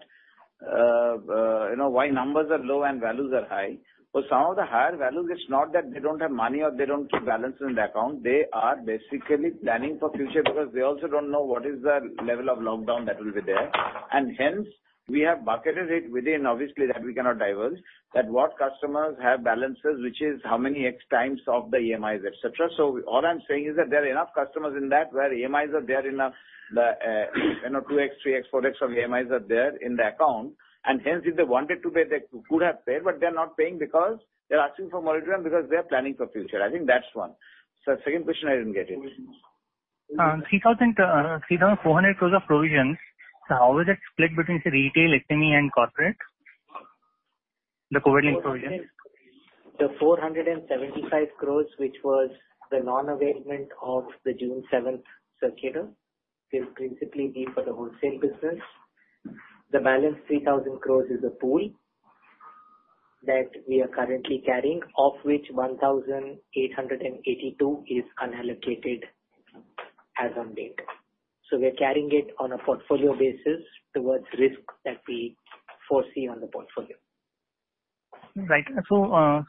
why numbers are low and values are high. Well, some of the higher values, it's not that they don't have money or they don't keep balances in the account. They are basically planning for future because they also don't know what is the level of lockdown that will be there. And hence, we have bucketed it within, obviously, that we cannot divulge that what customers have balances, which is how many x times of the EMIs, etc. So all I'm saying is that there are enough customers in that where EMIs are there enough, the 2x, 3x, 4x of EMIs are there in the account. Hence, if they wanted to pay, they could have paid, but they're not paying because they're asking for moratorium because they're planning for future. I think that's one. The second question, I didn't get it. 3,400 crore of provisions, how is it split between the retail, SME, and corporate, the COVID-linked provisions? The 475 crore, which was the non-availment of the June 7th circular, will principally be for the wholesale business. The balance 3,000 crore is a pool that we are currently carrying, of which 1,882 crore is unallocated as of date. So we're carrying it on a portfolio basis towards risk that we foresee on the portfolio. Right. So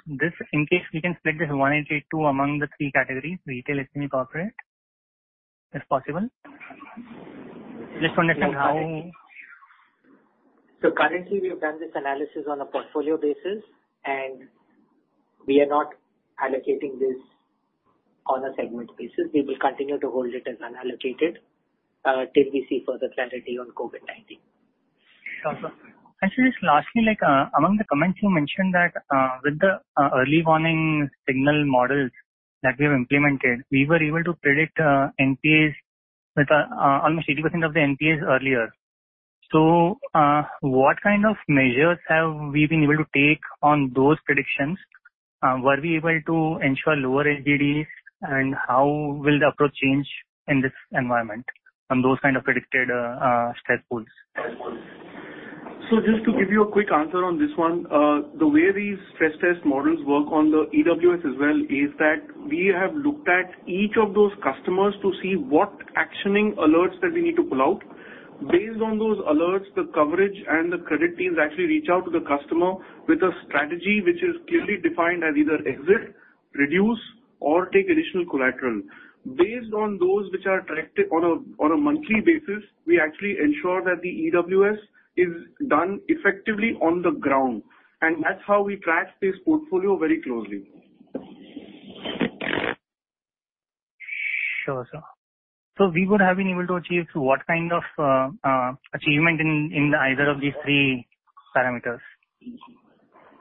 in case we can split this 1,882 among the three categories, retail, SME, corporate, if possible? Just to understand how. Currently, we have done this analysis on a portfolio basis, and we are not allocating this on a segment basis. We will continue to hold it as unallocated till we see further clarity on COVID-19. Actually, just lastly, among the comments, you mentioned that with the early warning signal models that we have implemented, we were able to predict almost 80% of the NPAs earlier. So what kind of measures have we been able to take on those predictions? Were we able to ensure lower LGDs, and how will the approach change in this environment on those kind of predicted stress pools? So just to give you a quick answer on this one, the way these stress test models work on the EWS as well is that we have looked at each of those customers to see what actioning alerts that we need to pull out. Based on those alerts, the coverage and the credit teams actually reach out to the customer with a strategy which is clearly defined as either exit, reduce, or take additional collateral. Based on those which are tracked on a monthly basis, we actually ensure that the EWS is done effectively on the ground. And that's how we track this portfolio very closely. Sure, sir. So we would have been able to achieve what kind of achievement in either of these three parameters?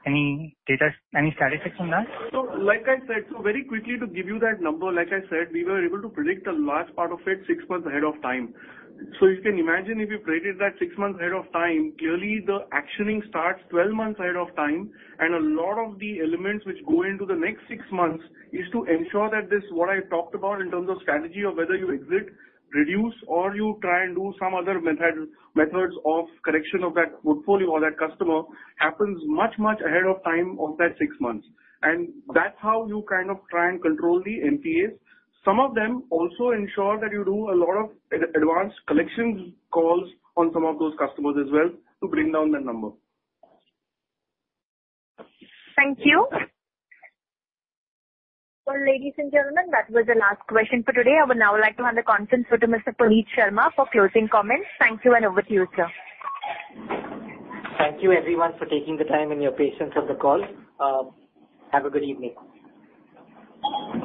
Any statistics on that? So like I said, so very quickly, to give you that number, like I said, we were able to predict a large part of it 6 months ahead of time. So you can imagine if you predicted that 6 months ahead of time, clearly, the actioning starts 12 months ahead of time. And a lot of the elements which go into the next 6 months is to ensure that what I talked about in terms of strategy of whether you exit, reduce, or you try and do some other methods of correction of that portfolio or that customer happens much, much ahead of time of that 6 months. And that's how you kind of try and control the NPAs. Some of them also ensure that you do a lot of advanced collections calls on some of those customers as well to bring down that number. Thank you. Well, ladies and gentlemen, that was the last question for today. I would now like to hand the conference over to Mr. Puneet Sharma for closing comments. Thank you, and over to you, sir. Thank you, everyone, for taking the time and your patience on the call. Have a good evening.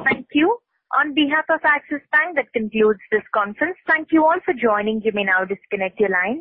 Thank you. On behalf of Axis Bank, that concludes this conference. Thank you all for joining. You may now disconnect your line.